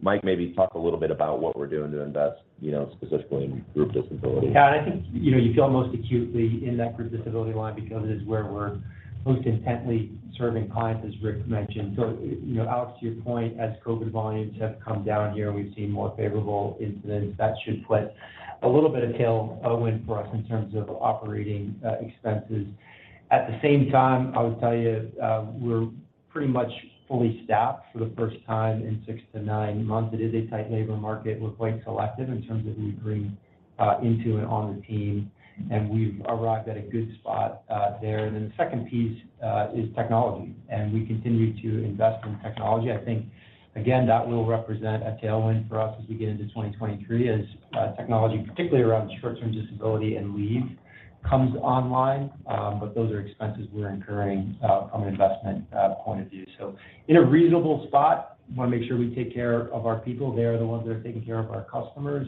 Mike, maybe talk a little bit about what we're doing to invest, you know, specifically in group disability. Yeah. I think, you know, you feel most acutely in that group disability line because it is where we're most intently serving clients, as Rick mentioned. You know, Alex, to your point, as COVID volumes have come down here and we've seen more favorable incidence, that should put a little bit of tailwind for us in terms of operating expenses. At the same time, I would tell you, we're pretty much fully staffed for the first time in 6-9 months. It is a tight labor market. We're quite selective in terms of who we bring into and on the team, and we've arrived at a good spot there. The second piece is technology, and we continue to invest in technology. I think again, that will represent a tailwind for us as we get into 2023 as technology, particularly around short-term disability and leave, comes online. But those are expenses we're incurring from an investment point of view. In a reasonable spot. Want to make sure we take care of our people. They're the ones that are taking care of our customers.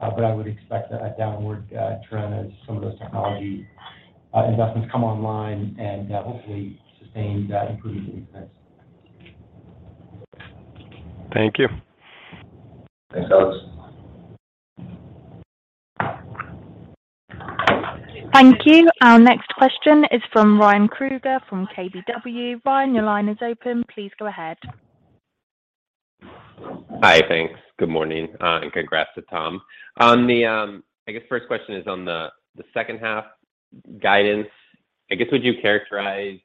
I would expect a downward trend as some of those technology investments come online and hopefully sustain that improvement in expense. Thank you. Thanks, Alex. Thank you. Our next question is from Ryan Krueger from KBW. Ryan, your line is open. Please go ahead. Hi. Thanks. Good morning, congrats to Tom. On the, I guess first question is on the second half guidance. I guess, would you characterize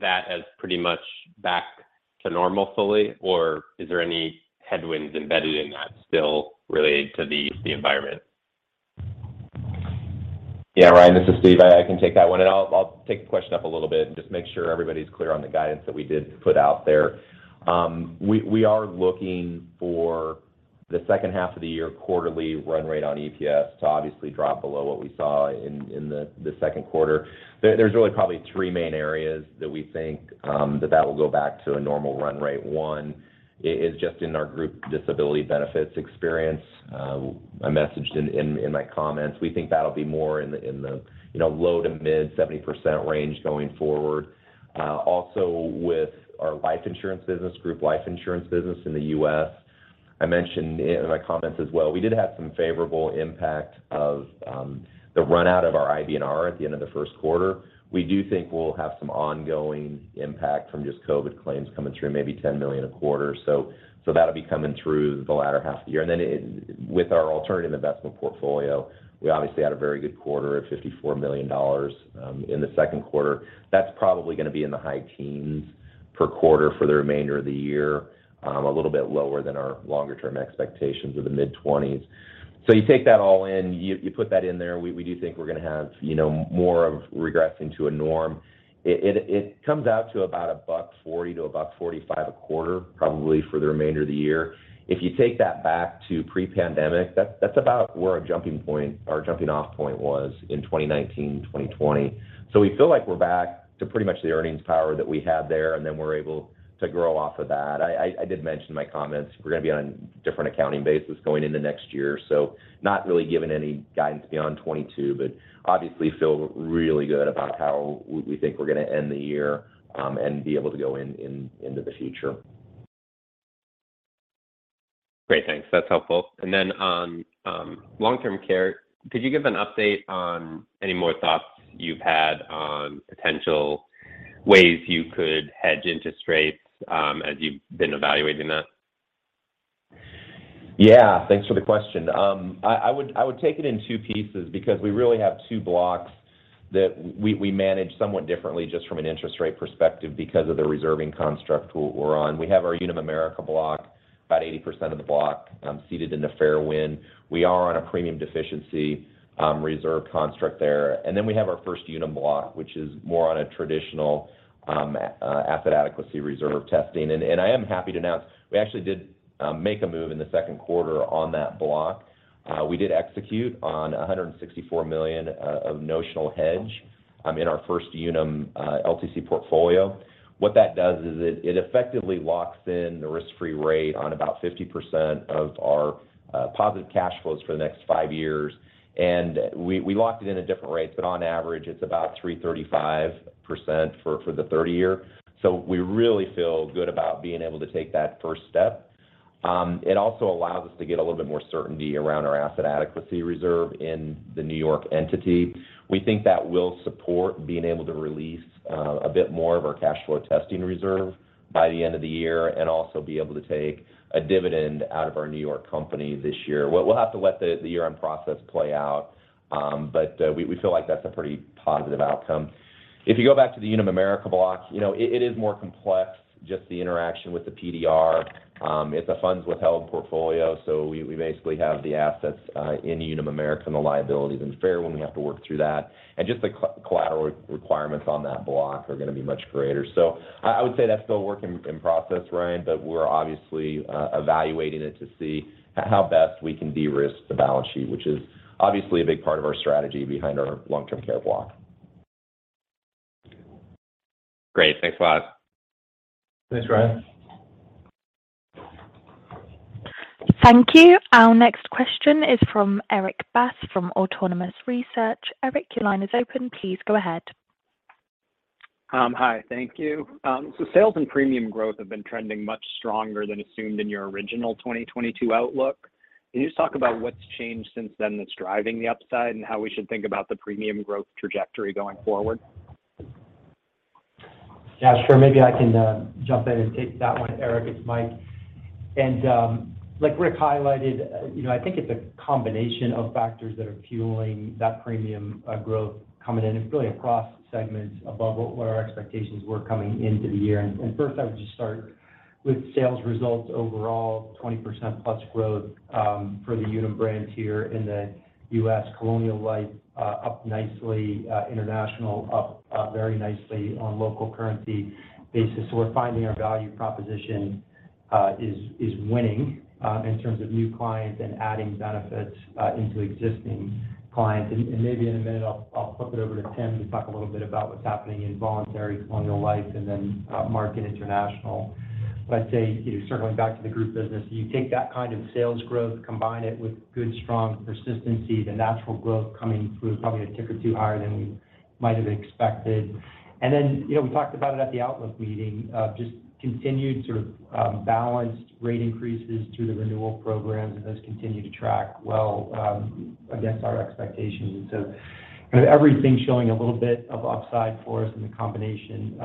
that as pretty much back to normal fully, or is there any headwinds embedded in that still related to the environment? Yeah. Ryan, this is Steve. I can take that one, and I'll take the question up a little bit and just make sure everybody's clear on the guidance that we did put out there. We are looking for the second half of the year quarterly run rate on EPS to obviously drop below what we saw in the second quarter. There's really probably three main areas that we think that will go back to a normal run rate. One is just in our group disability benefits experience. I mentioned in my comments. We think that'll be more in the low- to mid-70% range going forward. Also with our life insurance business, group life insurance business in the U.S., I mentioned in my comments as well, we did have some favorable impact of the run out of our IBNR at the end of the first quarter. We do think we'll have some ongoing impact from just COVID claims coming through, maybe $10 million a quarter. That'll be coming through the latter half of the year. With our alternative investment portfolio, we obviously had a very good quarter of $54 million in the second quarter. That's probably gonna be in the high teens per quarter for the remainder of the year. A little bit lower than our longer term expectations of the mid-twenties. You take that all in, you put that in there, we do think we're gonna have, you know, more of regress into a norm. It comes out to about $1.40-$1.45 a quarter, probably for the remainder of the year. If you take that back to pre-pandemic, that's about where our jumping point, our jumping off point was in 2019, 2020. We feel like we're back to pretty much the earnings power that we had there, and then we're able to grow off of that. I did mention in my comments, we're gonna be on different accounting basis going into next year. Not really giving any guidance beyond 2022, but obviously feel really good about how we think we're gonna end the year, and be able to go into the future. Great. Thanks. That's helpful. On long-term care, could you give an update on any more thoughts you've had on potential? Ways you could hedge interest rates, as you've been evaluating that? Yeah, thanks for the question. I would take it in two pieces because we really have two blocks that we manage somewhat differently just from an interest rate perspective because of the reserving construct we're on. We have our Unum America block, about 80% of the block, seated in the Fairwind. We are on a premium deficiency reserve construct there. We have our First Unum block, which is more on a traditional asset adequacy reserve testing. I am happy to announce we actually did make a move in the second quarter on that block. We did execute on a $164 million of notional hedge in our First Unum LTC portfolio. What that does is it effectively locks in the risk-free rate on about 50% of our positive cash flows for the next five years. We locked it in at different rates, but on average, it's about 3.35% for the 30-year. We really feel good about being able to take that first step. It also allows us to get a little bit more certainty around our asset adequacy reserve in the New York entity. We think that will support being able to release a bit more of our cash flow testing reserve by the end of the year and also be able to take a dividend out of our New York company this year. We'll have to let the year-end process play out, but we feel like that's a pretty positive outcome. If you go back to the Unum America block, you know, it is more complex, just the interaction with the PDR. It's a funds withheld portfolio, so we basically have the assets in Unum America, and the liability is in Fairwind. We have to work through that. Just the collateral requirements on that block are going to be much greater. I would say that's still a work in process, Ryan, but we're obviously evaluating it to see how best we can de-risk the balance sheet, which is obviously a big part of our strategy behind our long-term care block. Great. Thanks a lot. Thanks, Ryan. Thank you. Our next question is from Erik Bass from Autonomous Research. Erik, your line is open. Please go ahead. Hi. Thank you. Sales and premium growth have been trending much stronger than assumed in your original 2022 outlook. Can you just talk about what's changed since then that's driving the upside and how we should think about the premium growth trajectory going forward? Yeah, sure. Maybe I can jump in and take that one, Erik. It's Mike. Like Rick highlighted, you know, I think it's a combination of factors that are fueling that premium growth coming in, and really across segments above what our expectations were coming into the year. First, I would just start with sales results overall, 20%+ growth for the Unum brand here in the U.S., Colonial Life up nicely, International up very nicely on local currency basis. We're finding our value proposition is winning in terms of new clients and adding benefits into existing clients. Maybe in a minute I'll flip it over to Tim to talk a little bit about what's happening in Voluntary Colonial Life and then Mark, International. I'd say, you know, circling back to the Group business, you take that kind of sales growth, combine it with good, strong persistency, the natural growth coming through is probably a tick or two higher than we might have expected. You know, we talked about it at the Outlook meeting, just continued sort of balanced rate increases through the renewal programs, and those continue to track well against our expectations. Everything's showing a little bit of upside for us, and the combination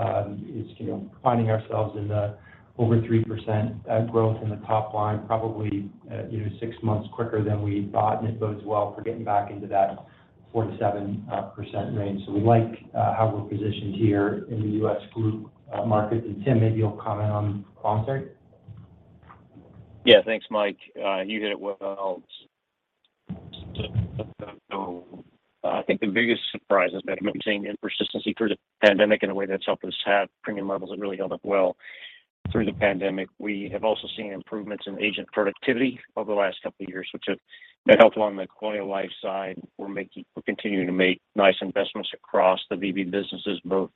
is, you know, finding ourselves in the over 3% growth in the top line, probably, you know, 6 months quicker than we thought. It bodes well for getting back into that 4%-7% range. We like how we're positioned here in the U.S. Group markets. Tim, maybe you'll comment on Voluntary. Yeah. Thanks, Mike. You hit it well. I think the biggest surprise has been maintaining and persistency through the pandemic in a way that's helped us have premium levels that really held up well through the pandemic. We have also seen improvements in agent productivity over the last couple of years, which have helped along the Colonial Life side. We're continuing to make nice investments across the VB businesses, both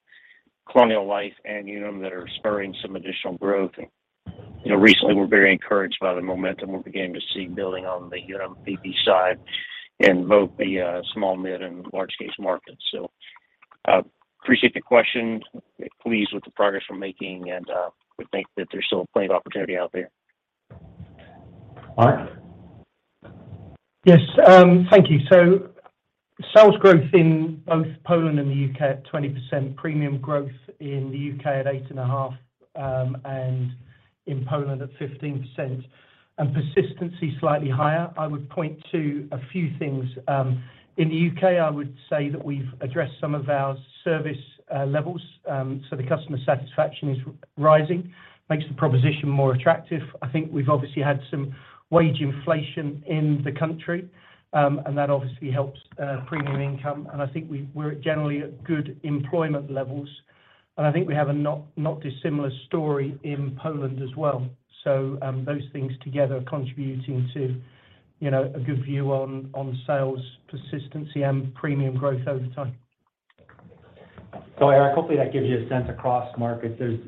Colonial Life and Unum, that are spurring some additional growth. You know, recently, we're very encouraged by the momentum we're beginning to see building on the Unum VB side in both the small, mid, and large case markets. Appreciate the question. Pleased with the progress we're making, and we think that there's still plenty of opportunity out there. Mark? Yes, thank you. Sales growth in both Poland and the U.K. at 20%, premium growth in the UK at 8.5%, and in Poland at 15%, and persistency slightly higher. I would point to a few things. In the U.K., I would say that we've addressed some of our service levels, so the customer satisfaction is rising, makes the proposition more attractive. I think we've obviously had some wage inflation in the country, and that obviously helps premium income. I think we're generally at good employment levels, and I think we have a not dissimilar story in Poland as well. Those things together are contributing to, you know, a good view on sales persistency and premium growth over time. Erik, hopefully, that gives you a sense across markets. There's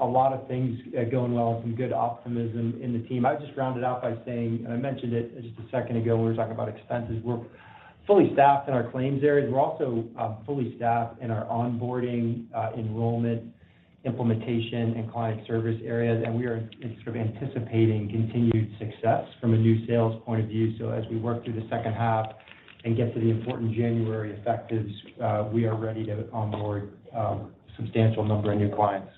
a lot of things going well and some good optimism in the team. I'd just round it out by saying, I mentioned it just a second ago when we were talking about expenses, we're fully staffed in our claims areas. We're also fully staffed in our onboarding, enrollment. Implementation and client service areas, and we are sort of anticipating continued success from a new sales point of view. As we work through the second half and get to the important January effectives, we are ready to onboard substantial number of new clients.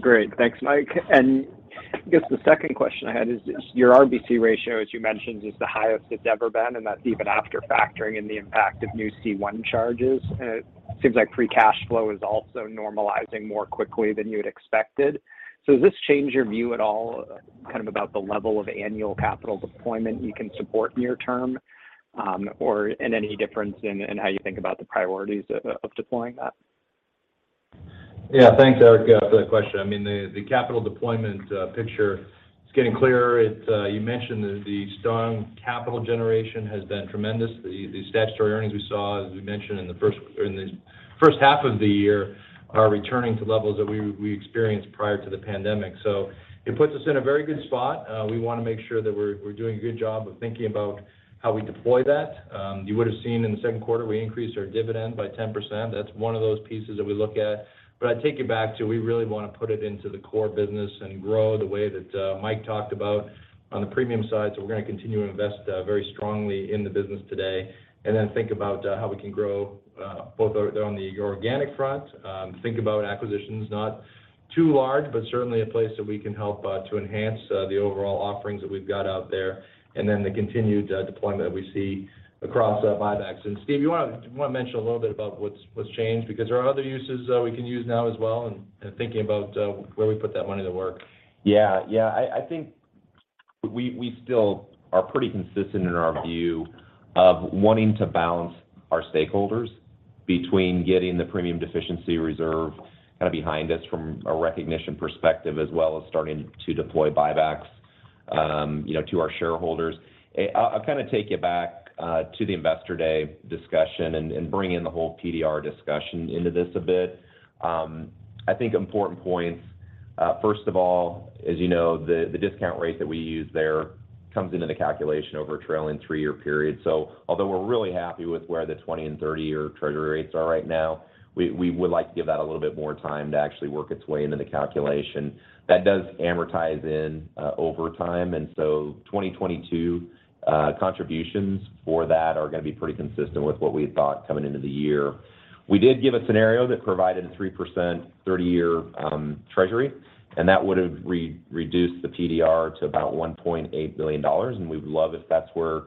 Great. Thanks, Mike. I guess the second question I had is, your RBC ratio, as you mentioned, is the highest it's ever been, and that's even after factoring in the impact of new C1 charges. It seems like free cash flow is also normalizing more quickly than you had expected. Does this change your view at all kind of about the level of annual capital deployment you can support near term, or, and any difference in how you think about the priorities of deploying that? Yeah. Thanks, Eric, for that question. I mean, the capital deployment picture is getting clearer. You mentioned the strong capital generation has been tremendous. The statutory earnings we saw, as we mentioned in the first half of the year, are returning to levels that we experienced prior to the pandemic. It puts us in a very good spot. We wanna make sure that we're doing a good job of thinking about how we deploy that. You would have seen in the second quarter, we increased our dividend by 10%. That's one of those pieces that we look at. I take you back to we really wanna put it into the core business and grow the way that Mike talked about on the premium side. We're gonna continue to invest very strongly in the business today and then think about how we can grow both on the organic front, think about acquisitions, not too large, but certainly a place that we can help to enhance the overall offerings that we've got out there, and then the continued deployment that we see across buybacks. Steve, you wanna mention a little bit about what's changed? Because there are other uses we can use now as well in thinking about where we put that money to work. Yeah. I think we still are pretty consistent in our view of wanting to balance our stakeholders between getting the premium deficiency reserve kind of behind us from a recognition perspective, as well as starting to deploy buybacks, you know, to our shareholders. I'll kind of take you back to the investor day discussion and bring in the whole PDR discussion into this a bit. I think important points, first of all, as you know, the discount rate that we use there comes into the calculation over a trailing three-year period. Although we're really happy with where the 20- and 30-year treasury rates are right now, we would like to give that a little bit more time to actually work its way into the calculation. That does amortize in over time. 2022 contributions for that are gonna be pretty consistent with what we had thought coming into the year. We did give a scenario that provided a 3% 30-year Treasury, and that would have re-reduced the PDR to about $1.8 billion, and we would love if that's where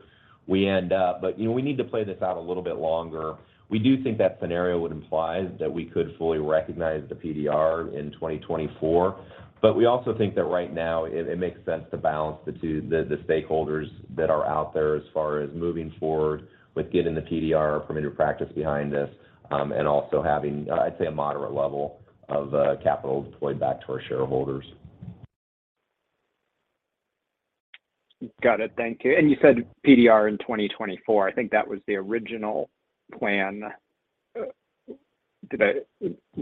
we end up. You know, we need to play this out a little bit longer. We do think that scenario would imply that we could fully recognize the PDR in 2024. We also think that right now it makes sense to balance the two, the stakeholders that are out there as far as moving forward with getting the PDR permitted practice behind us, and also having, I'd say, a moderate level of capital deployed back to our shareholders. Got it. Thank you. You said PDR in 2024. I think that was the original plan. Did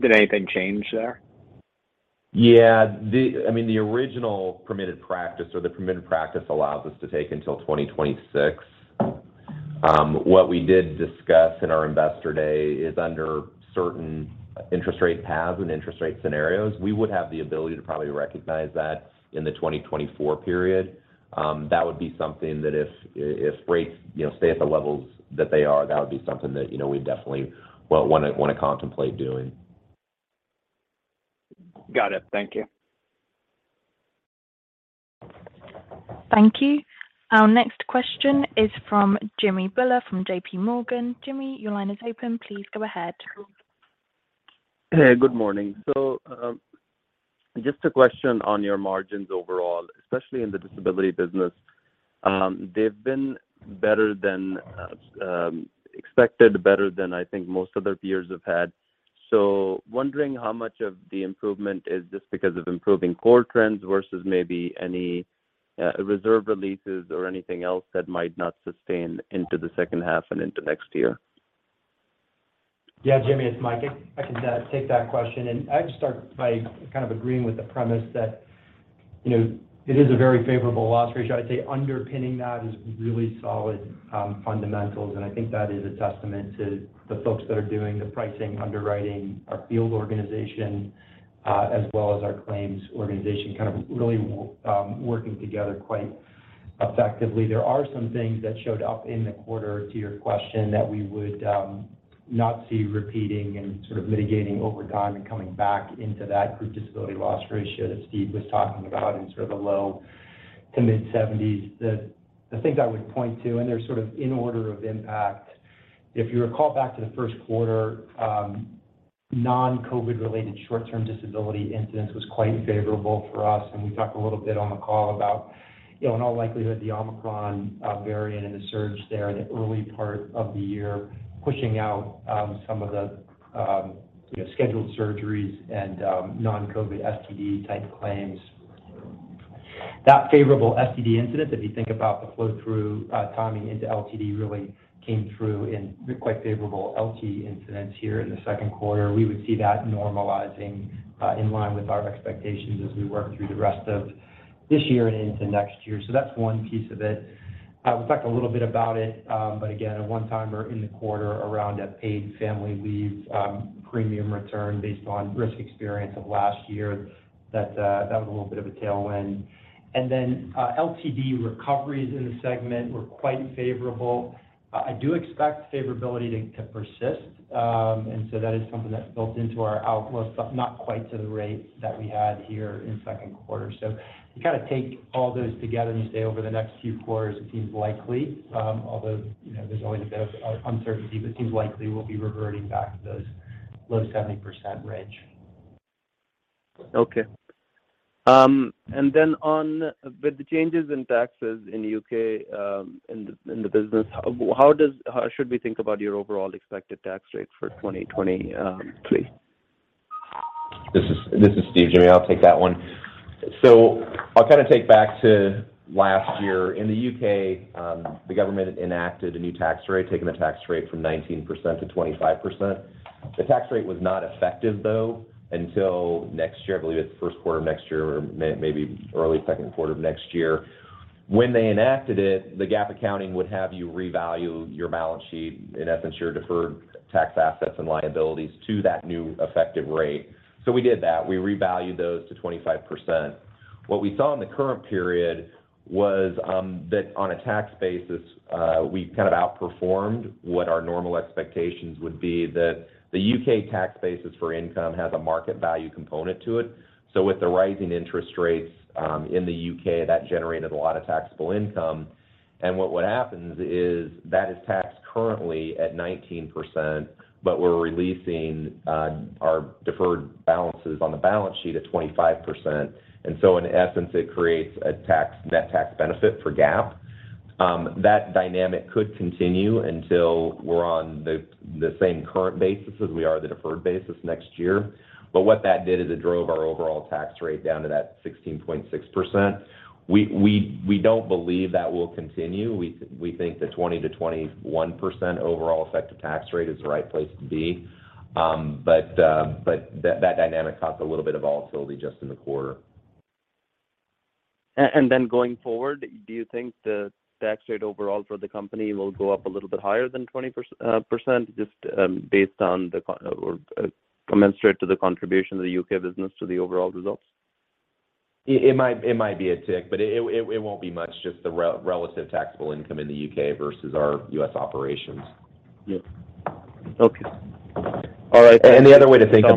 anything change there? Yeah. I mean, the original permitted practice or the permitted practice allows us to take until 2026. What we did discuss in our Investor Day is under certain interest rate paths and interest rate scenarios, we would have the ability to probably recognize that in the 2024 period. That would be something that if rates, you know, stay at the levels that they are, that would be something that, you know, we definitely will wanna contemplate doing. Got it. Thank you. Thank you. Our next question is from Jimmy Bhullar from JPMorgan. Jimmy, your line is open. Please go ahead. Hey, good morning. Just a question on your margins overall, especially in the disability business. They've been better than expected, better than I think most of their peers have had. Wondering how much of the improvement is just because of improving core trends versus maybe any reserve releases or anything else that might not sustain into the second half and into next year. Yeah, Jimmy, it's Mike. I can take that question. I'd start by kind of agreeing with the premise that, you know, it is a very favorable loss ratio. I'd say underpinning that is really solid fundamentals. I think that is a testament to the folks that are doing the pricing, underwriting, our field organization, as well as our claims organization kind of really working together quite effectively. There are some things that showed up in the quarter to your question that we would not see repeating and sort of mitigating over time and coming back into that group disability loss ratio that Steve was talking about in sort of the low to mid-seventies. The things I would point to, and they're sort of in order of impact, if you recall back to the first quarter, non-COVID related short-term disability incidents was quite favorable for us. We talked a little bit on the call about, you know, in all likelihood, the Omicron variant and the surge there in the early part of the year, pushing out some of the, you know, scheduled surgeries and non-COVID STD type claims. That favorable STD incidence, if you think about the flow through, timing into LTD really came through in quite favorable LTD incidents here in the second quarter. We would see that normalizing in line with our expectations as we work through the rest of this year and into next year. That's one piece of it. We talked a little bit about it, but again, a one-timer in the quarter around a paid family leave premium return based on risk experience of last year that was a little bit of a tailwind. LTD recoveries in the segment were quite favorable. I do expect favorability to persist, and so that is something that's built into our outlook, but not quite to the rate that we had here in second quarter. You kind of take all those together, and you say over the next few quarters, it seems likely, although, you know, there's always a bit of uncertainty, but seems likely we'll be reverting back to those low 70% range. Okay. With the changes in taxes in the UK, in the business, how should we think about your overall expected tax rate for 2023? This is Steve, Jimmy. I'll take that one. I'll kind of take it back to last year. In the U.K., the government enacted a new tax rate, taking the tax rate from 19% to 25%. The tax rate was not effective, though, until next year. I believe it's the first quarter of next year or maybe early second quarter of next year. When they enacted it, the GAAP accounting would have you revalue your balance sheet, in essence, your deferred tax assets and liabilities to that new effective rate. We did that. We revalued those to 25%. What we saw in the current period was that on a tax basis, we kind of outperformed what our normal expectations would be that the U.K. tax basis for income has a market value component to it. With the rising interest rates in the U.K., that generated a lot of taxable income. What would happen is that is taxed currently at 19%, but we're releasing our deferred balances on the balance sheet at 25%. In essence, it creates a net tax benefit for GAAP. That dynamic could continue until we're on the same current basis as we are the deferred basis next year. What that did is it drove our overall tax rate down to that 16.6%. We don't believe that will continue. We think the 20%-21% overall effective tax rate is the right place to be. That dynamic caused a little bit of volatility just in the quarter. Going forward, do you think the tax rate overall for the company will go up a little bit higher than 20% just based on the core or commensurate to the contribution of the UK business to the overall results? It might be a tick, but it won't be much, just the relative taxable income in the UK versus our US operations. Yeah. Okay. All right. The other way to think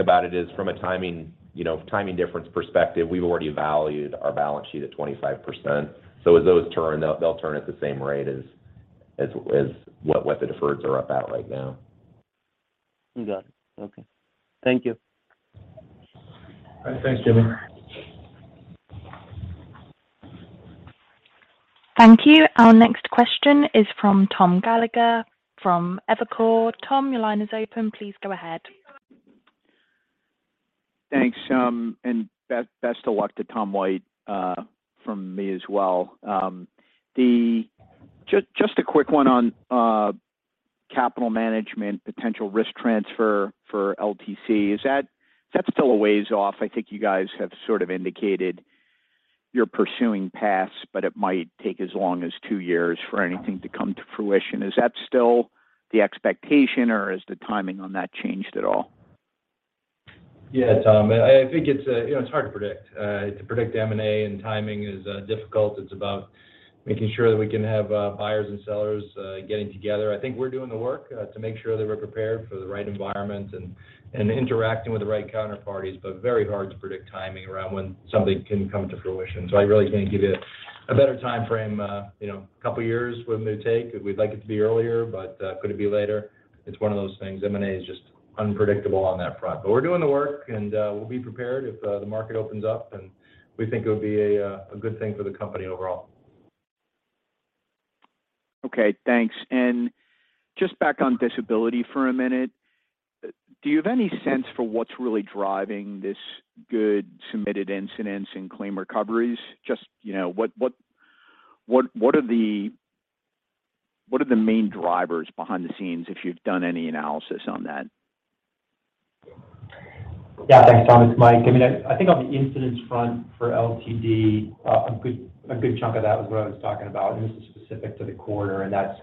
about it is from a timing, you know, timing difference perspective. We've already valued our balance sheet at 25%. As those turn, they'll turn at the same rate as what the deferreds are up at right now. Got it. Okay. Thank you. All right. Thanks, Jimmy. Thank you. Our next question is from Tom Gallagher from Evercore. Tom, your line is open. Please go ahead. Thanks. Best of luck to Tom White from me as well. Just a quick one on capital management, potential risk transfer for LTC. Is that still a ways off? I think you guys have sort of indicated you're pursuing paths, but it might take as long as two years for anything to come to fruition. Is that still the expectation, or has the timing on that changed at all? Yeah, Tom. I think it's, you know, it's hard to predict M&A and timing is difficult. It's about making sure that we can have buyers and sellers getting together. I think we're doing the work to make sure that we're prepared for the right environment and interacting with the right counterparties, but very hard to predict timing around when something can come to fruition. I really can't give you a better timeframe. You know, a couple years when they take. We'd like it to be earlier, but could it be later? It's one of those things. M&A is just unpredictable on that front. We're doing the work, and we'll be prepared if the market opens up, and we think it would be a good thing for the company overall. Okay, thanks. Just back on disability for a minute. Do you have any sense for what's really driving this good submitted incidence and claim recoveries? Just, you know, what are the main drivers behind the scenes, if you've done any analysis on that? Yeah. Thanks, Tom. It's Mike. I mean, I think on the incidence front for LTD, a good chunk of that was what I was talking about, and this is specific to the quarter, and that's,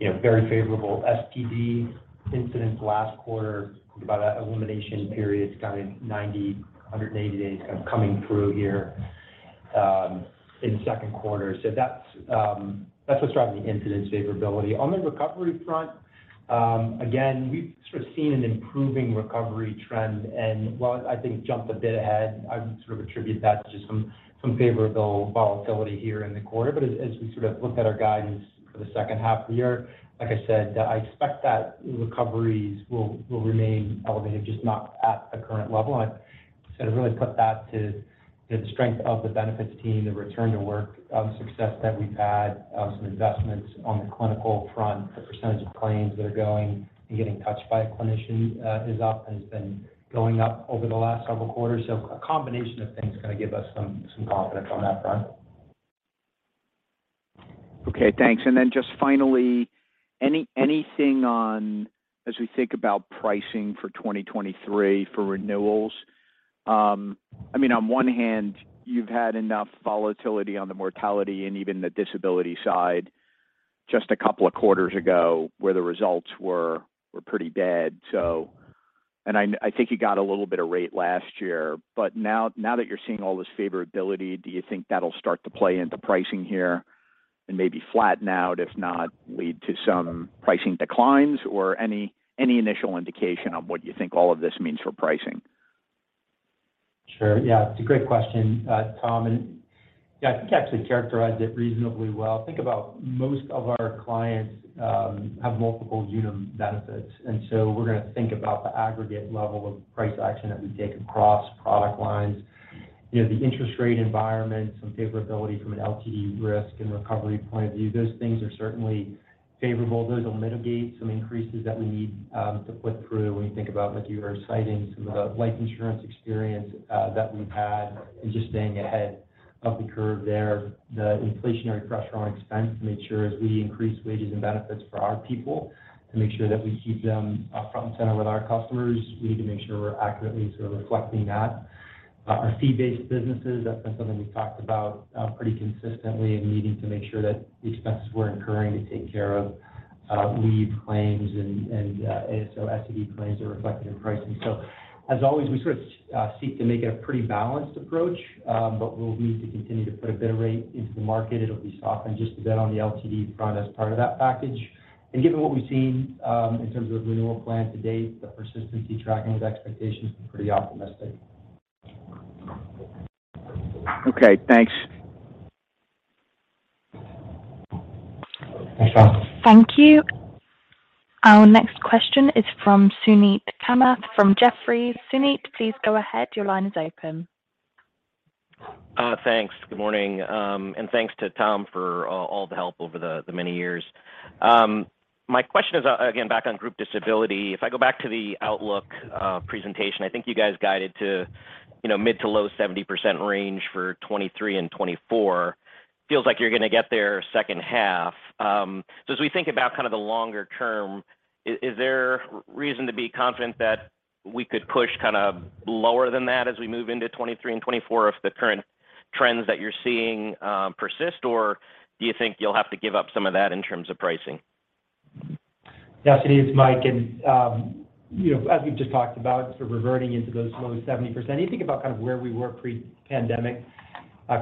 you know, very favorable STD incidence last quarter, about an elimination period, kind of 90-180 days of coming through here in the second quarter. So that's what's driving the incidence favorability. On the recovery front, again, we've sort of seen an improving recovery trend. While I think jumped a bit ahead, I would sort of attribute that to some favorable volatility here in the quarter. As we sort of look at our guidance for the second half of the year, like I said, I expect that recoveries will remain elevated, just not at the current level. I'd say I'd really put that to, you know, the strength of the benefits team, the return to work success that we've had, some investments on the clinical front. The percentage of claims that are going and getting touched by a clinician is up and has been going up over the last several quarters. A combination of things kind of give us some confidence on that front. Okay, thanks. Just finally, anything on as we think about pricing for 2023 for renewals. I mean, on one hand, you've had enough volatility on the mortality and even the disability side just a couple of quarters ago where the results were pretty bad. I think you got a little bit of rate last year. Now that you're seeing all this favorability, do you think that'll start to play into pricing here and maybe flatten out, if not lead to some pricing declines? Any initial indication on what you think all of this means for pricing? Sure. Yeah, it's a great question, Tom. Yeah, I think I actually characterized it reasonably well. Think about most of our clients have multiple unit benefits, and so we're gonna think about the aggregate level of price action that we take across product lines. You know, the interest rate environment, some favorability from an LTD risk and recovery point of view, those things are certainly favorable. Those will mitigate some increases that we need to put through when you think about, like you were citing, some of the life insurance experience that we've had and just staying ahead of the curve there. The inflationary pressure on expenses to make sure as we increase wages and benefits for our people, to make sure that we keep them front and center with our customers. We need to make sure we're accurately sort of reflecting that. Our fee-based businesses, that's been something we've talked about pretty consistently and needing to make sure that the expenses we're incurring to take care of leave claims and ASO, STD claims are reflected in pricing. As always, we sort of seek to make it a pretty balanced approach, but we'll need to continue to put a bit of rate into the market. It'll be softened just a bit on the LTD front as part of that package. Given what we've seen in terms of renewal plans to date, the persistency tracking those expectations have been pretty optimistic. Okay, thanks. Thanks, Tom. Thank you. Our next question is from Suneet Kamath from Jefferies. Suneet, please go ahead. Your line is open. Thanks. Good morning, and thanks to Tom for all the help over the many years. My question is again, back on group disability. If I go back to the outlook presentation, I think you guys guided to, you know, mid- to low-70% range for 2023 and 2024. Feels like you're gonna get there second half. So as we think about kind of the longer term, is there reason to be confident that we could push kind of lower than that as we move into 2023 and 2024 if the current trends that you're seeing persist? Or do you think you'll have to give up some of that in terms of pricing? Yeah, Suneet, it's Mike. You know, as we've just talked about, sort of reverting into those low 70%, you think about kind of where we were pre-pandemic,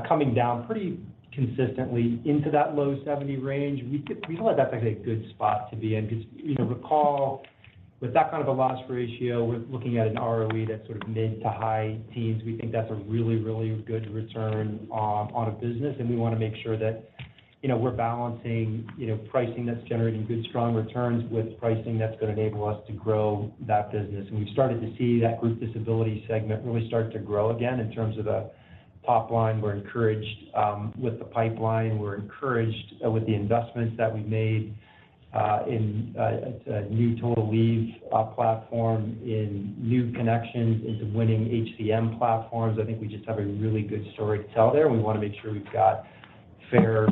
coming down pretty consistently into that low 70 range. We feel like that's actually a good spot to be in because, you know, recall with that kind of a loss ratio, we're looking at an ROE that's sort of mid- to high teens %. We think that's a really, really good return on a business, and we wanna make sure that, you know, we're balancing, you know, pricing that's generating good, strong returns with pricing that's gonna enable us to grow that business. We've started to see that group disability segment really start to grow again in terms of the top line. We're encouraged with the pipeline. We're encouraged with the investments that we made in new Total Leave platform, in new connections into winning HCM platforms. I think we just have a really good story to tell there. We wanna make sure we've got fair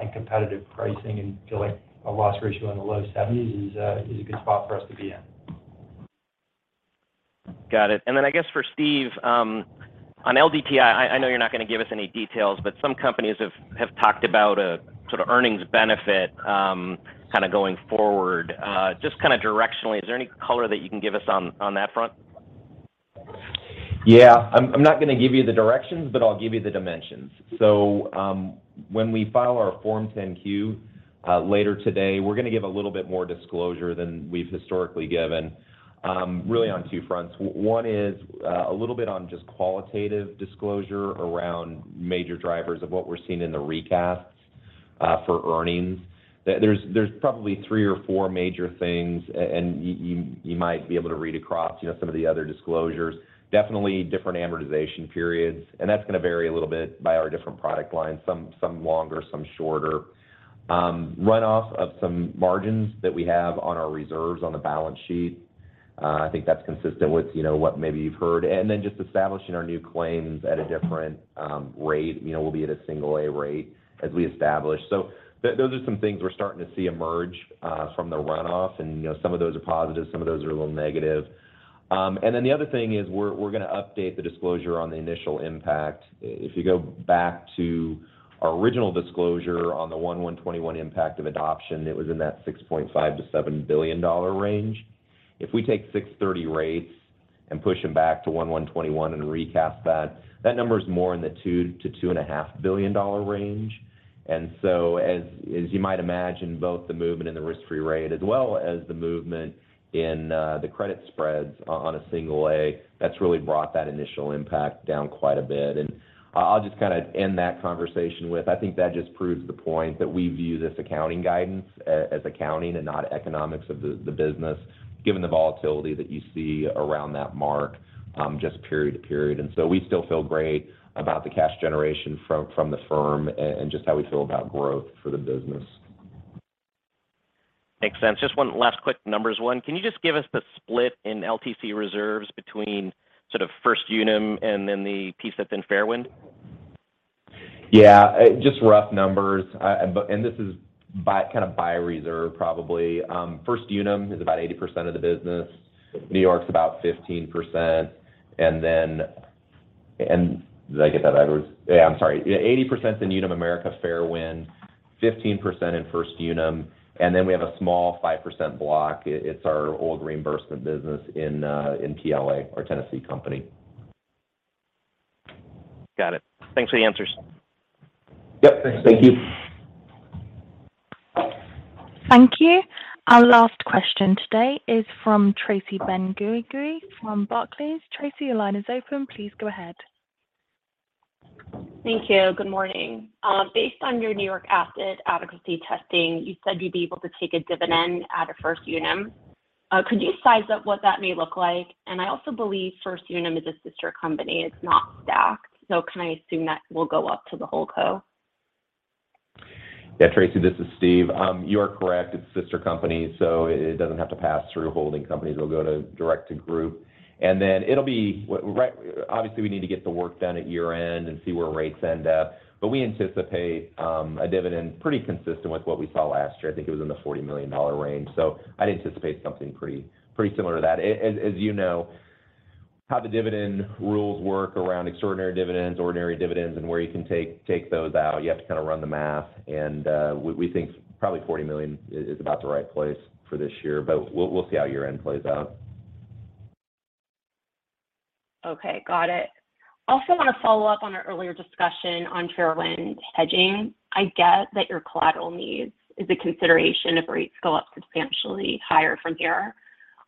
and competitive pricing, and feel like a loss ratio in the low 70s% is a good spot for us to be in. Got it. I guess for Steve, on LDTI, I know you're not gonna give us any details, but some companies have talked about a sort of earnings benefit, kind of going forward. Just kind of directionally, is there any color that you can give us on that front? Yeah. I'm not gonna give you the directions, but I'll give you the dimensions. When we file our Form 10-Q later today, we're gonna give a little bit more disclosure than we've historically given, really on two fronts. One is a little bit on just qualitative disclosure around major drivers of what we're seeing in the recasts for earnings. There's probably three or four major things and you might be able to read across, you know, some of the other disclosures. Definitely different amortization periods, and that's gonna vary a little bit by our different product lines, some longer, some shorter. Runoff of some margins that we have on our reserves on the balance sheet. I think that's consistent with, you know, what maybe you've heard. Just establishing our new claims at a different rate. You know, we'll be at a single A rate as we establish. Those are some things we're starting to see emerge from the runoff and, you know, some of those are positive, some of those are a little negative. The other thing is we're gonna update the disclosure on the initial impact. If you go back to our original disclosure on the 1/1/2021 impact of adoption, it was in that $6.5 billion-$7 billion range. If we take 6/30 rates and push them back to 1/1/2021 and recast that number's more in the $2 billion-$2.5 billion range. As you might imagine, both the movement in the risk-free rate as well as the movement in the credit spreads on a single A, that's really brought that initial impact down quite a bit. I'll just kinda end that conversation with, I think that just proves the point that we view this accounting guidance as accounting and not economics of the business given the volatility that you see around that mark just period to period. We still feel great about the cash generation from the firm and just how we feel about growth for the business. Makes sense. Just one last quick numbers one. Can you just give us the split in LTC reserves between sort of First Unum and then the piece that's in Fairwind? Yeah. Just rough numbers. This is by, kind of by reserve probably. 80% in Unum America/Fairwind, 15% in First Unum, and then we have a small 5% block. It's our old reimbursement business in TLA, our Tennessee company. Got it. Thanks for the answers. Yep. Thank you. Thank you. Our last question today is from Tracy Benguigui from Barclays. Tracy, your line is open. Please go ahead. Thank you. Good morning. Based on your New York asset adequacy testing, you said you'd be able to take a dividend out of First Unum. Could you size up what that may look like? I also believe First Unum is a sister company. It's not stacked. Can I assume that will go up to the holdco? Yeah, Tracy, this is Steve. You are correct. It's its sister company, so it doesn't have to pass through holding companies. It'll go directly to Group. Then obviously we need to get the work done at year-end and see where rates end up. We anticipate a dividend pretty consistent with what we saw last year. I think it was in the $40 million range. I'd anticipate something pretty similar to that. As you know, how the dividend rules work around extraordinary dividends, ordinary dividends, and where you can take those out, you have to kind of run the math. We think probably $40 million is about the right place for this year, but we'll see how year-end plays out. Okay. Got it. Also want to follow up on our earlier discussion on Fairwind hedging. I get that your collateral needs is a consideration if rates go up substantially higher from here.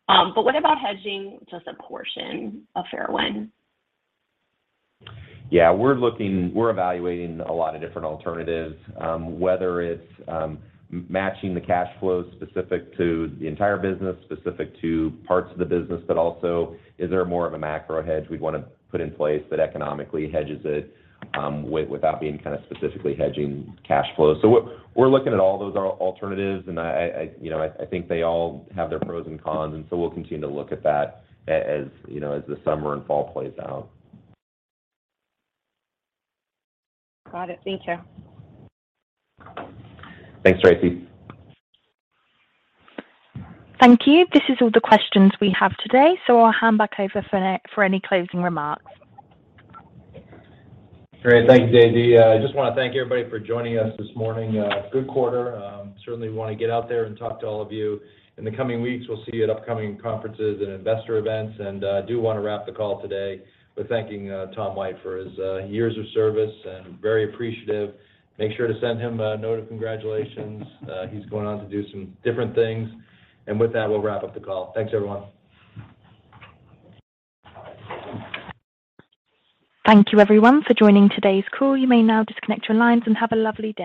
What about hedging just a portion of Fairwind? Yeah. We're evaluating a lot of different alternatives, whether it's matching the cash flows specific to the entire business, specific to parts of the business, but also is there more of a macro hedge we'd want to put in place that economically hedges it, without being kind of specifically hedging cash flow. We're looking at all those alternatives, and I you know I think they all have their pros and cons, and we'll continue to look at that as you know as the summer and fall plays out. Got it. Thank you. Thanks, Tracy. Thank you. This is all the questions we have today, so I'll hand back over for any closing remarks. Great. Thank you, Daisy. I just wanna thank everybody for joining us this morning. Good quarter. Certainly want to get out there and talk to all of you. In the coming weeks, we'll see you at upcoming conferences and investor events. I do wanna wrap the call today with thanking Tom White for his years of service and very appreciative. Make sure to send him a note of congratulations. He's going on to do some different things. With that, we'll wrap up the call. Thanks, everyone. Thank you everyone for joining today's call. You may now disconnect your lines, and have a lovely day.